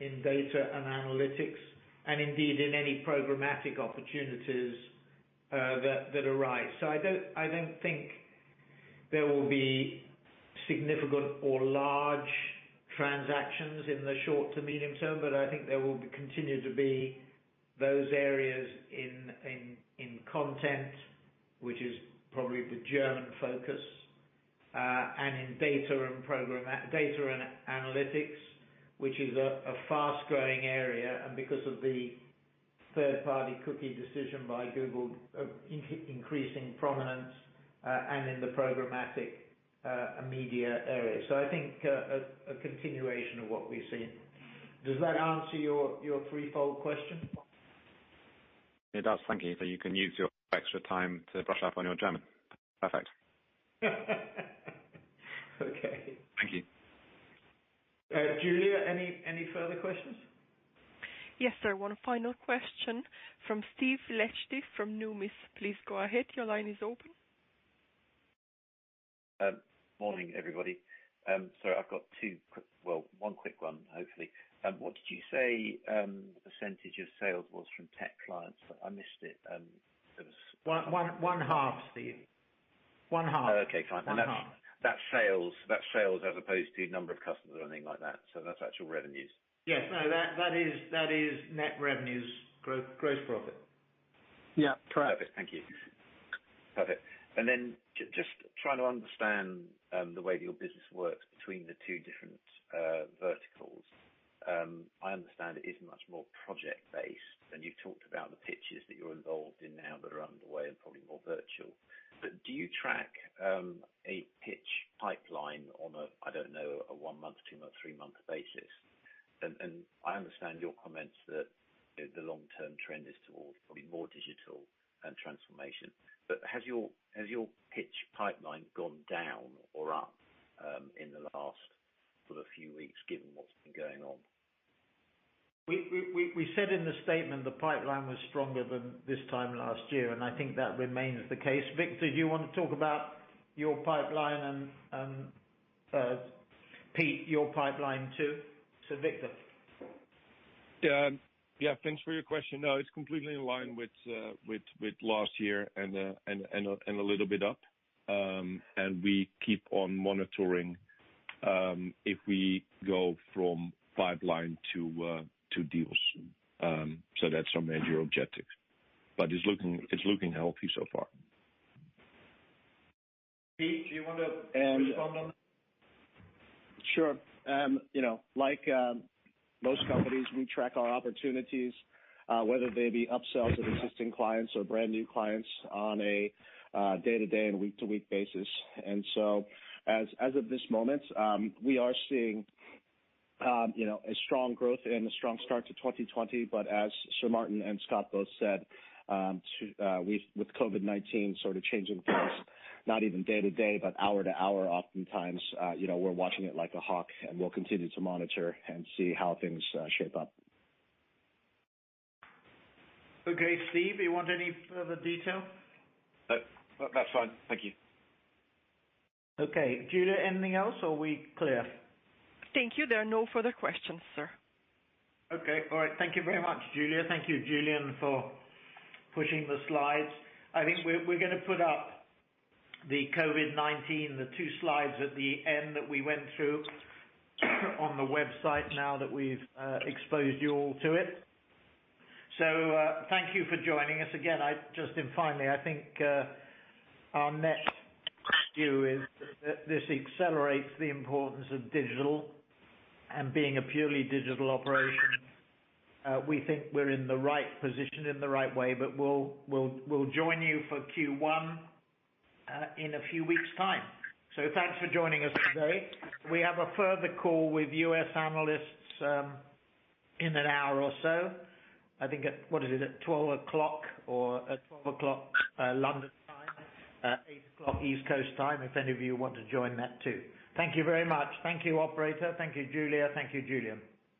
in data and analytics, and indeed in any programmatic opportunities that arise. I don't think there will be significant or large transactions in the short to medium term, but I think there will continue to be those areas in content, which is probably the German focus. In data and analytics, which is a fast-growing area, and because of the third-party cookie decision by Google, increasing prominence and in the programmatic media area. I think a continuation of what we've seen. Does that answer your threefold question? It does. Thank you. You can use your extra time to brush up on your German. Perfect. Okay. Thank you. Julia, any further questions? Yes, sir. One final question from Steve Liechti from Numis. Please go ahead. Your line is open. Morning, everybody. Sorry, I've got two quick, well, one quick one, hopefully. What did you say percentage of sales was from tech clients? I missed it. One half, Steve. One half. Okay. Fine. One half. That's sales as opposed to number of customers or anything like that. That's actual revenues? Yes. No, that is net revenues, gross profit. Yeah. Correct. Thank you. Perfect. Just trying to understand the way your business works between the two different verticals. I understand it is much more project-based, and you've talked about the pitches that you're involved in now that are underway and probably more virtual. Do you track a pitch pipeline on a, I don't know, a one-month, two-month, three-month basis? I understand your comments that the long-term trend is towards probably more digital and transformation. Has your pitch pipeline gone down or up in the last sort of few weeks, given what's been going on? We said in the statement the pipeline was stronger than this time last year. I think that remains the case. Victor, do you want to talk about your pipeline and, Pete, your pipeline too? Victor. Yeah. Thanks for your question. No, it's completely in line with last year and a little bit up. We keep on monitoring if we go from pipeline to deals. That's our major objective, but it's looking healthy so far. Pete, do you want to respond on that? Sure. Like most companies, we track our opportunities, whether they be upsells of existing clients or brand-new clients on a day-to-day and week-to-week basis. As of this moment, we are seeing a strong growth and a strong start to 2020, but as Sir Martin and Scott both said, with COVID-19 sort of changing things, not even day-to-day, but hour-to-hour oftentimes, we're watching it like a hawk, and we'll continue to monitor and see how things shape up. Okay. Steve, you want any further detail? No, that's fine. Thank you. Okay. Julia, anything else, or are we clear? Thank you. There are no further questions, sir. Okay. All right. Thank you very much, Julia. Thank you, Julian, for pushing the slides. I think we're going to put up the COVID-19, the two slides at the end that we went through on the website now that we've exposed you all to it. Thank you for joining us. Again, just finally, I think our net view is that this accelerates the importance of digital and being a purely digital operation. We think we're in the right position, in the right way, but we'll join you for Q1 in a few weeks' time. Thanks for joining us today. We have a further call with U.S. analysts in an hour or so. I think at, what is it? 12:00 P.M. or at 12:00 P.M. London time, 8:00 A.M. East Coast time, if any of you want to join that too. Thank you very much. Thank you, operator. Thank you, Julia. Thank you, Julian.